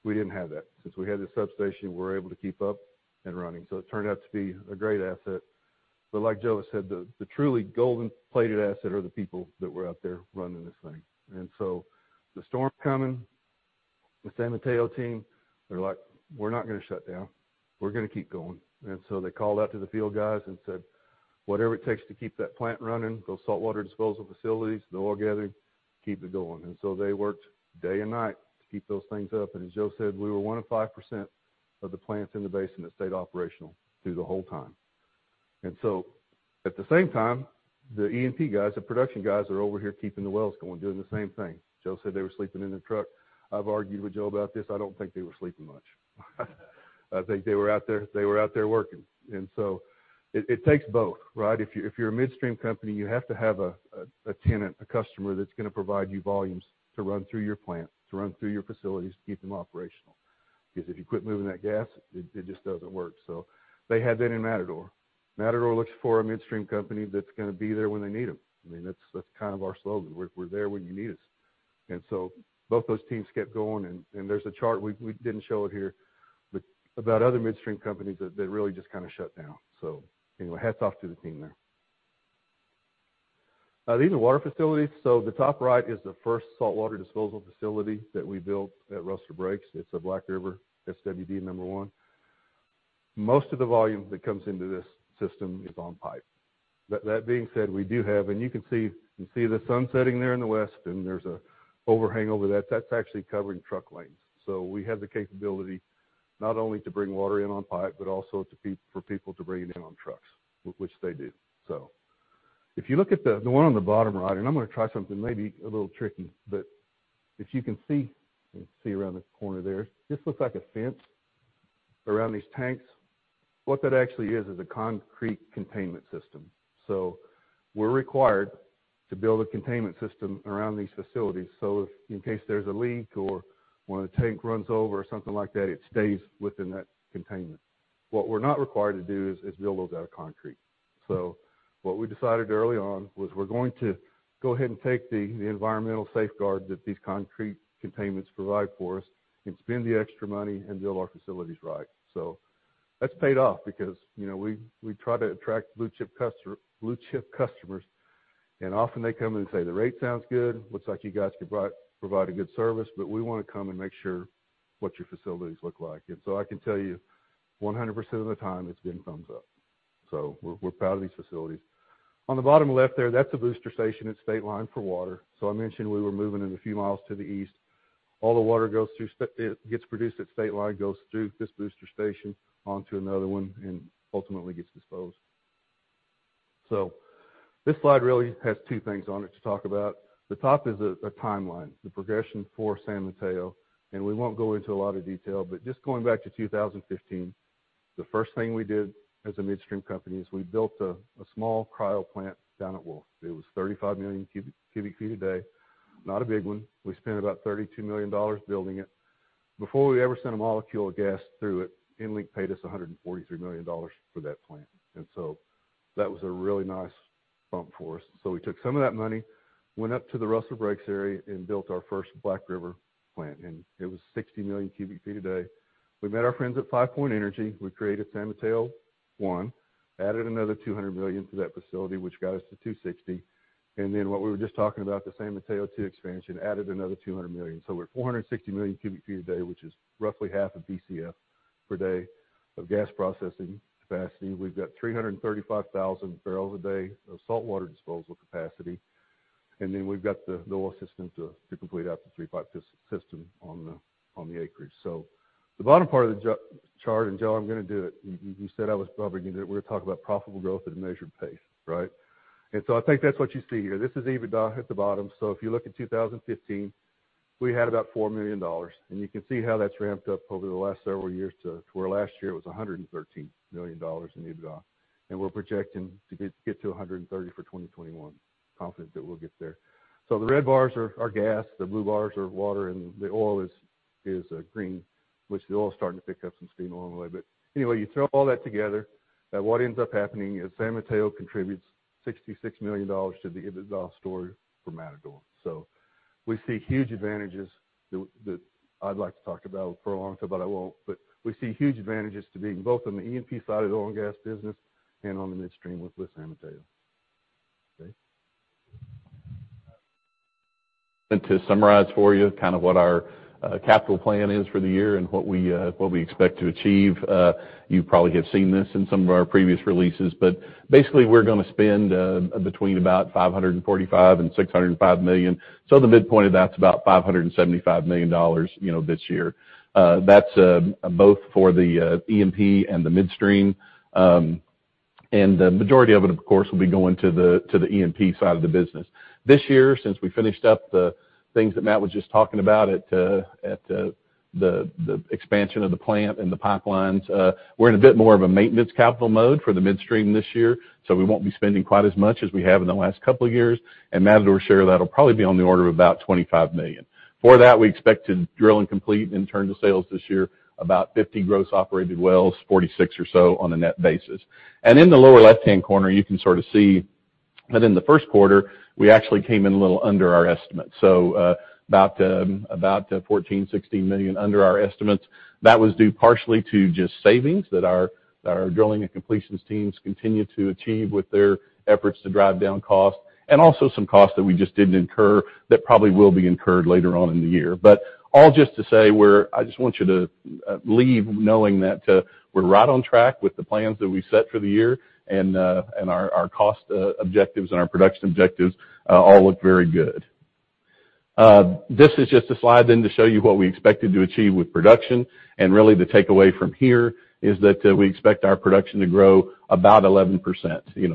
We didn't have that. Since we had the substation, we were able to keep up and running. It turned out to be a great asset. Like Joe said, the truly golden plated asset are the people that were out there running this thing. The storm coming, the San Mateo team, they're like, "We're not going to shut down. We're going to keep going." They called out to the field guys and said, "Whatever it takes to keep that plant running, those saltwater disposal facilities, the oil gathering, keep it going." They worked day and night to keep those things up. As Joe said, we were 1% of 5% of the plants in the basin that stayed operational through the whole time. At the same time, the E&P guys, the production guys are over here keeping the wells going, doing the same thing. Joe said they were sleeping in the truck. I've argued with Joe about this. I don't think they were sleeping much. I think they were out there working. It takes both, right? If you're a midstream company, you have to have a tenant, a customer that's going to provide you volumes to run through your plant, to run through your facilities, to keep them operational. If you quit moving that gas, it just doesn't work. They had that in Matador. Matador looks for a midstream company that's going to be there when they need them. That's kind of our slogan. We're there when you need us. Both those teams kept going, and there's a chart, we didn't show it here, but about other midstream companies that really just shut down. Anyway, hats off to the team there. These are water facilities. The top right is the first saltwater disposal facility that we built at Rustler Breaks. It's a Black River SWD number one. Most of the volume that comes into this system is on pipe. That being said, we do have, and you can see the sun setting there in the west, and there's an overhang over that's actually covering truck lanes. We have the capability not only to bring water in on pipe, but also for people to bring it in on trucks, which they do. If you look at the one on the bottom right, and I'm going to try something maybe a little tricky, but if you can see around this corner there, this looks like a fence around these tanks. What that actually is is a concrete containment system. We're required to build a containment system around these facilities so if in case there's a leak or when a tank runs over or something like that, it stays within that containment. What we're not required to do is build those out of concrete. What we decided early on was we're going to go ahead and take the environmental safeguards that these concrete containments provide for us and spend the extra money and build our facilities right. That's paid off because we try to attract blue-chip customers, and often they come and say, "The rate sounds good. Looks like you guys provide a good service, but we want to come and make sure what your facilities look like." I can tell you 100% of the time it's been thumbs up. We're proud of these facilities. On the bottom left there, that's a booster station at Stateline for water. I mentioned we were moving it a few miles to the east. All the water gets produced at Stateline, goes through this booster station onto another one, and ultimately gets disposed. This slide really has two things on it to talk about. The top is a timeline, the progression for San Mateo, and we won't go into a lot of detail, but just going back to 2015. The first thing we did as a midstream company is we built a small cryo plant down at Wolf. It was 35 million cubic feet a day. Not a big one. We spent about $32 million building it. Before we ever sent a molecule of gas through it, EnLink paid us $143 million for that plant. That was a really nice bump for us. We took some of that money, went up to the Rustler Breaks area, and built our first Black River plant, and it was 60 million cubic feet a day. We met our friends at Five Point Energy. We created San Mateo I, added another 200 million to that facility, which got us to 260. What we were just talking about, the San Mateo II expansion added another 200 million. We're at 460 million cubic feet a day, which is roughly half a BCF per day of gas processing capacity. We've got 335,000 barrels a day of saltwater disposal capacity. We've got the Noah system to complete out the three pipe system on the acreage. The bottom part of the chart, and Joe, I'm going to do it. You said I was probably going to do it. We were talking about profitable growth at a measured pace, right? I think that's what you see here. This is EBITDA at the bottom. If you look at 2015, we had about $4 million, and you can see how that's ramped up over the last several years to where last year it was $113 million in EBITDA, and we're projecting to get to $130 million for 2021. Confident that we'll get there. The red bars are gas, the blue bars are water, and the oil is green, which the oil's starting to pick up some steam a little bit. Anyway, you throw all that together, and what ends up happening is San Mateo contributes $66 million to the EBITDA story for Matador. We see huge advantages that I'd like to talk about for longer, but I won't. We see huge advantages to being both on the E&P side of the oil and gas business and on the midstream with the San Mateo. Okay? To summarize for you kind of what our capital plan is for the year and what we expect to achieve. You probably have seen this in some of our previous releases, basically we're going to spend between about $545 million and $605 million. In the midpoint of that's about $575 million this year. That's both for the E&P and the midstream. The majority of it, of course, will be going to the E&P side of the business. This year, since we finished up the things that Matt was just talking about at the expansion of the plant and the pipelines we're in a bit more of a maintenance capital mode for the midstream this year. We won't be spending quite as much as we have in the last couple of years. Matador's share of that will probably be on the order of about $25 million. For that, we expect to drill and complete and turn to sales this year about 50 gross operated wells, 46 or so on a net basis. In the lower left-hand corner, you can sort of see that in the first quarter, we actually came in a little under our estimate. About $14 million-$16 million under our estimates. That was due partially to just savings that our drilling and completions teams continue to achieve with their efforts to drive down costs and also some costs that we just didn't incur that probably will be incurred later on in the year. All just to say, I just want you to leave knowing that we're right on track with the plans that we set for the year and our cost objectives and our production objectives all look very good. This is just a slide to show you what we expected to achieve with production. Really the takeaway from here is that we expect our production to grow about 11%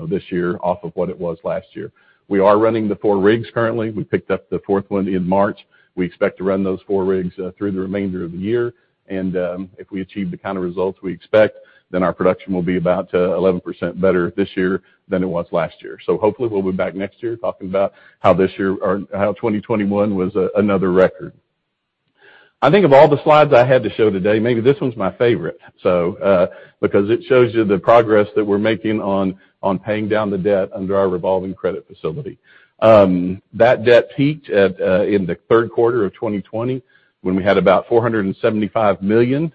this year off of what it was last year. We are running the four rigs currently. We picked up the fourth one in March. We expect to run those four rigs through the remainder of the year. If we achieve the kind of results we expect, our production will be about 11% better this year than it was last year. Hopefully we'll be back next year talking about how this year or how 2021 was another record. I think of all the slides I had to show today, maybe this one's my favorite. Because it shows you the progress that we're making on paying down the debt under our revolving credit facility. That debt peaked in the third quarter of 2020 when we had about $475 million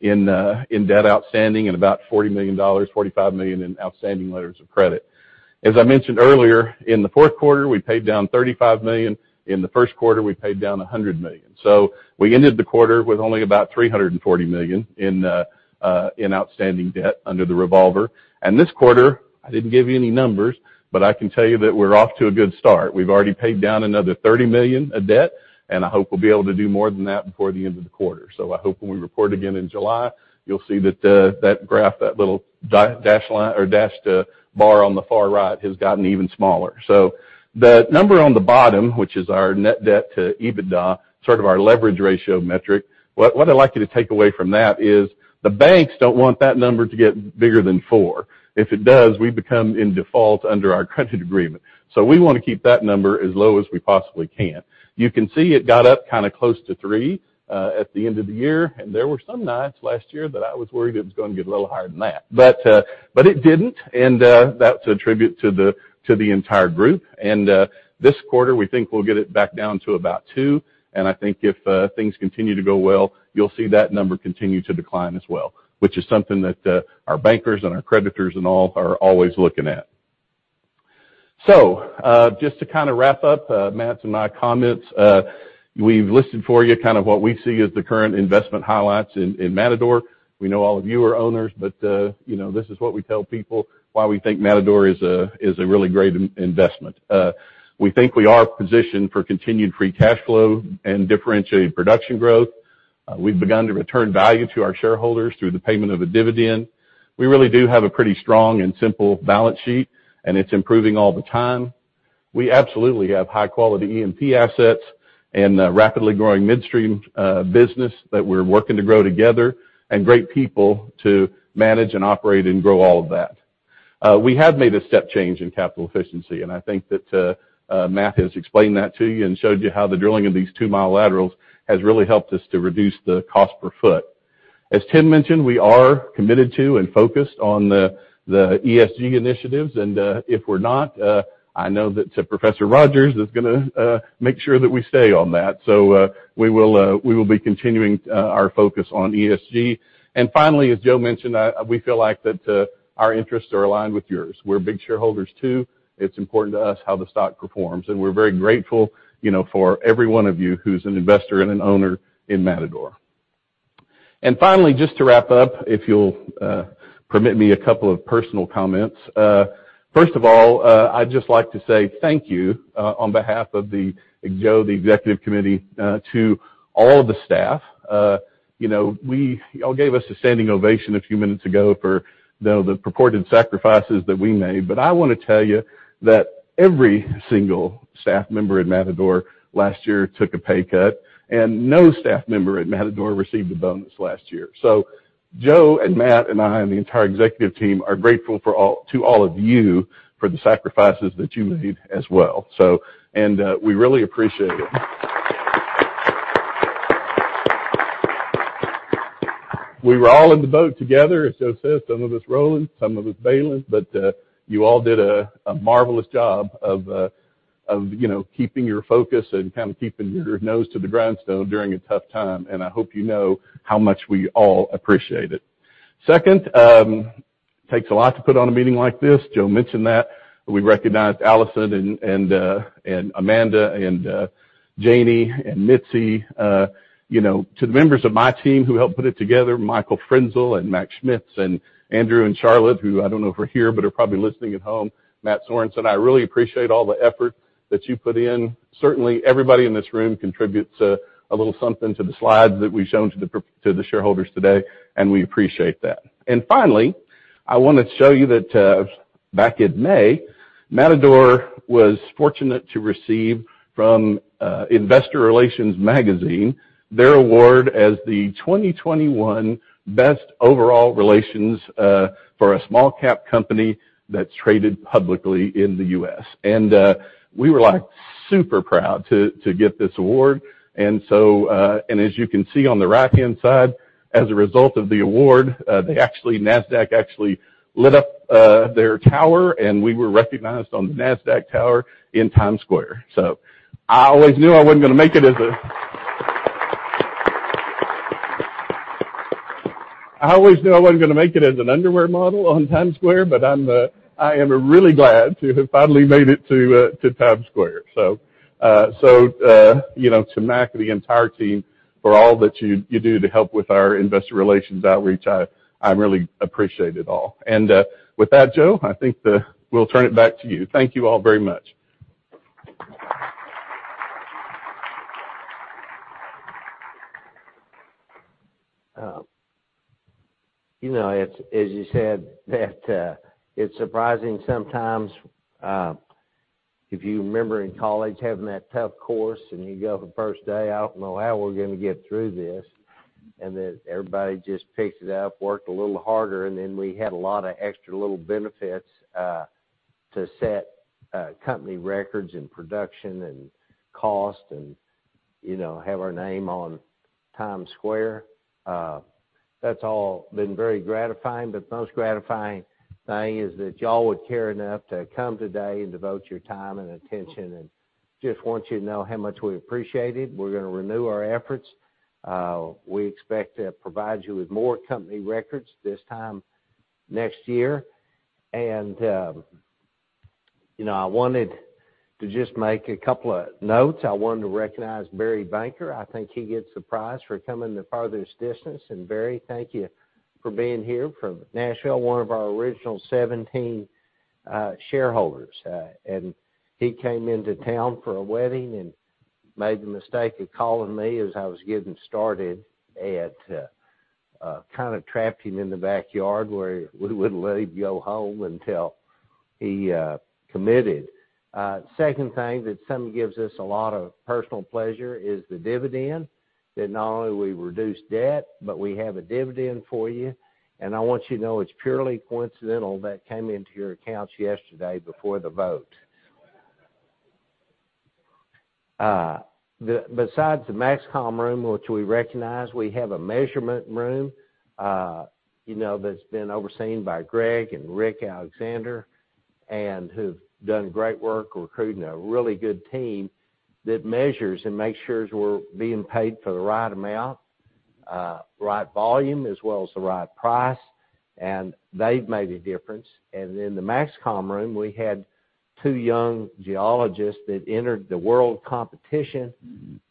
in debt outstanding and about $40 million, $45 million in outstanding letters of credit. As I mentioned earlier, in the fourth quarter, we paid down $35 million. In the first quarter, we paid down $100 million. We ended the quarter with only about $340 million in outstanding debt under the revolver. This quarter, I didn't give you any numbers, but I can tell you that we're off to a good start. We've already paid down another $30 million of debt, and I hope we'll be able to do more than that before the end of the quarter. I hope when we report again in July, you'll see that that graph, that little dash line or dashed bar on the far right has gotten even smaller. The number on the bottom, which is our net debt to EBITDA, sort of our leverage ratio metric. What I'd like you to take away from that is the banks don't want that number to get bigger than four. If it does, we become in default under our credit agreement. We want to keep that number as low as we possibly can. You can see it got up kind of close to three at the end of the year, and there were some nights last year that I was worried it was going to get a little higher than that. It didn't, and that's a tribute to the entire group. This quarter, we think we'll get it back down to about two, I think if things continue to go well, you'll see that number continue to decline as well, which is something that our bankers and our creditors and all are always looking at. Just to kind of wrap up Matt's and my comments. We've listed for you kind of what we see as the current investment highlights in Matador. We know all of you are owners, this is what we tell people why we think Matador is a really great investment. We think we are positioned for continued free cash flow and differentiated production growth. We've begun to return value to our shareholders through the payment of a dividend. We really do have a pretty strong and simple balance sheet, it's improving all the time. We absolutely have high quality E&P assets and a rapidly growing midstream business that we're working to grow together, and great people to manage and operate and grow all of that. We have made a step change in capital efficiency, and I think that Matt has explained that to you and showed you how the drilling of these two mile laterals has really helped us to reduce the cost per foot. As Tim mentioned, we are committed to and focused on the ESG initiatives, and if we're not, I know that Professor Rogers is going to make sure that we stay on that. We will be continuing our focus on ESG. Finally, as Joe mentioned, we feel like that our interests are aligned with yours. We're big shareholders too. It's important to us how the stock performs. We're very grateful for every one of you who's an investor and an owner in Matador. Finally, just to wrap up, if you'll permit me a couple of personal comments. First of all, I'd just like to say thank you on behalf of Joe, the executive committee, to all the staff. You all gave us a standing ovation a few minutes ago for the purported sacrifices that we made. I want to tell you that every single staff member at Matador last year took a pay cut, and no staff member at Matador received a bonus last year. Joe and Matt and I and the entire executive team are grateful to all of you for the sacrifices that you made as well. We really appreciate it. We were all in the boat together. As Joe said, some of us rolling, some of us bailing, but you all did a marvelous job of keeping your focus and kind of keeping your nose to the grindstone during a tough time. I hope you know how much we all appreciate it. Second, it takes a lot to put on a meeting like this. Joe mentioned that. We recognized Allison and Amanda and Janie and Mitzi. To the members of my team who helped put it together, Michael Frenzel and Mac Schmitz and Andrew and Charlotte, who I don't know if are here, but are probably listening at home, Matt Sorensen, I really appreciate all the effort that you put in. Certainly everybody in this room contributes a little something to the slides that we've shown to the shareholders today. We appreciate that. Finally, I want to show you that back in May, Matador was fortunate to receive from IR Magazine their award as the 2021 Best Overall Relations for a small cap company that's traded publicly in the U.S. We were super proud to get this award. As you can see on the right-hand side, as a result of the award, Nasdaq actually lit up their tower, and we were recognized on the Nasdaq tower in Times Square. I always knew I wasn't going to make it as an underwear model on Times Square, but I am really glad to have finally made it to Times Square. To Matt and the entire team, for all that you do to help with our investor relations outreach, I really appreciate it all. With that, Joe, I think we'll turn it back to you. Thank you all very much. As you said, it's surprising sometimes if you remember in college having that tough course and you go the first day, "I don't know how we're going to get through this." Everybody just picks it up, worked a little harder, and then we had a lot of extra little benefits to set company records in production and cost and have our name on Times Square. That's all been very gratifying, but the most gratifying thing is that you all would care enough to come today and devote your time and attention, and just want you to know how much we appreciate it. We're going to renew our efforts. We expect to provide you with more company records this time next year. I wanted to just make a couple of notes. I wanted to recognize Barry Banker. I think he gets the prize for coming the farthest distance. Barry, thank you for being here from Nashville, one of our original 17 shareholders. He came into town for a wedding and made the mistake of calling me as I was getting started, kind of trapped him in the backyard where we wouldn't let you go home until he committed. Second thing that sometimes gives us a lot of personal pleasure is the dividend, that not only we've reduced debt, but we have a dividend for you. I want you to know it's purely coincidental that came into your accounts yesterday before the vote. Besides the MAXCOM room, which we recognize, we have a measurement room that's been overseen by Greg and Rick Alexander, and who've done great work recruiting a really good team that measures and makes sure we're being paid for the right amount, right volume, as well as the right price. They've made a difference. In the MAXCOM room, we had two young geologists that entered the world competition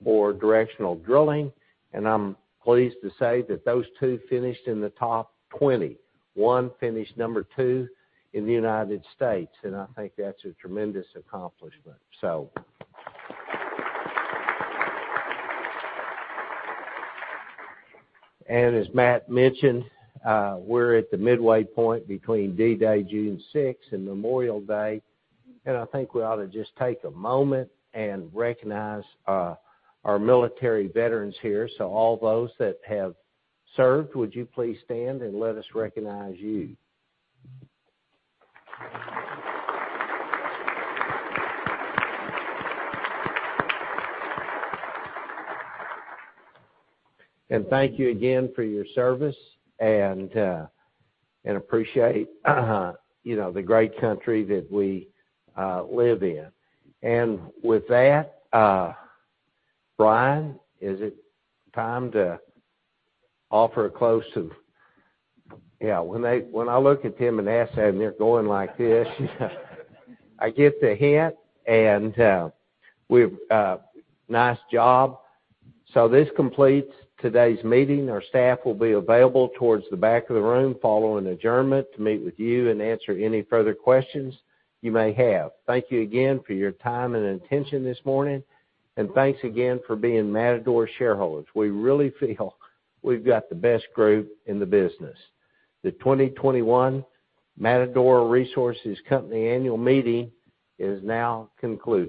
for directional drilling, and I'm pleased to say that those two finished in the top 20. One finished number two in the U.S., I think that's a tremendous accomplishment. As Matt mentioned, we're at the midway point between D-Day, June 6 and Memorial Day. I think we ought to just take a moment and recognize our military veterans here. All those that have served, would you please stand and let us recognize you? Thank you again for your service and appreciate the great country that we live in. With that, Brian, is it time to offer a close? When I look at Tim and ask that, and they're going like this, I get the hint, nice job. This completes today's meeting. Our staff will be available towards the back of the room following adjournment to meet with you and answer any further questions you may have. Thank you again for your time and attention this morning. Thanks again for being Matador shareholders. We really feel we've got the best group in the business. The 2021 Matador Resources Company annual meeting is now concluded.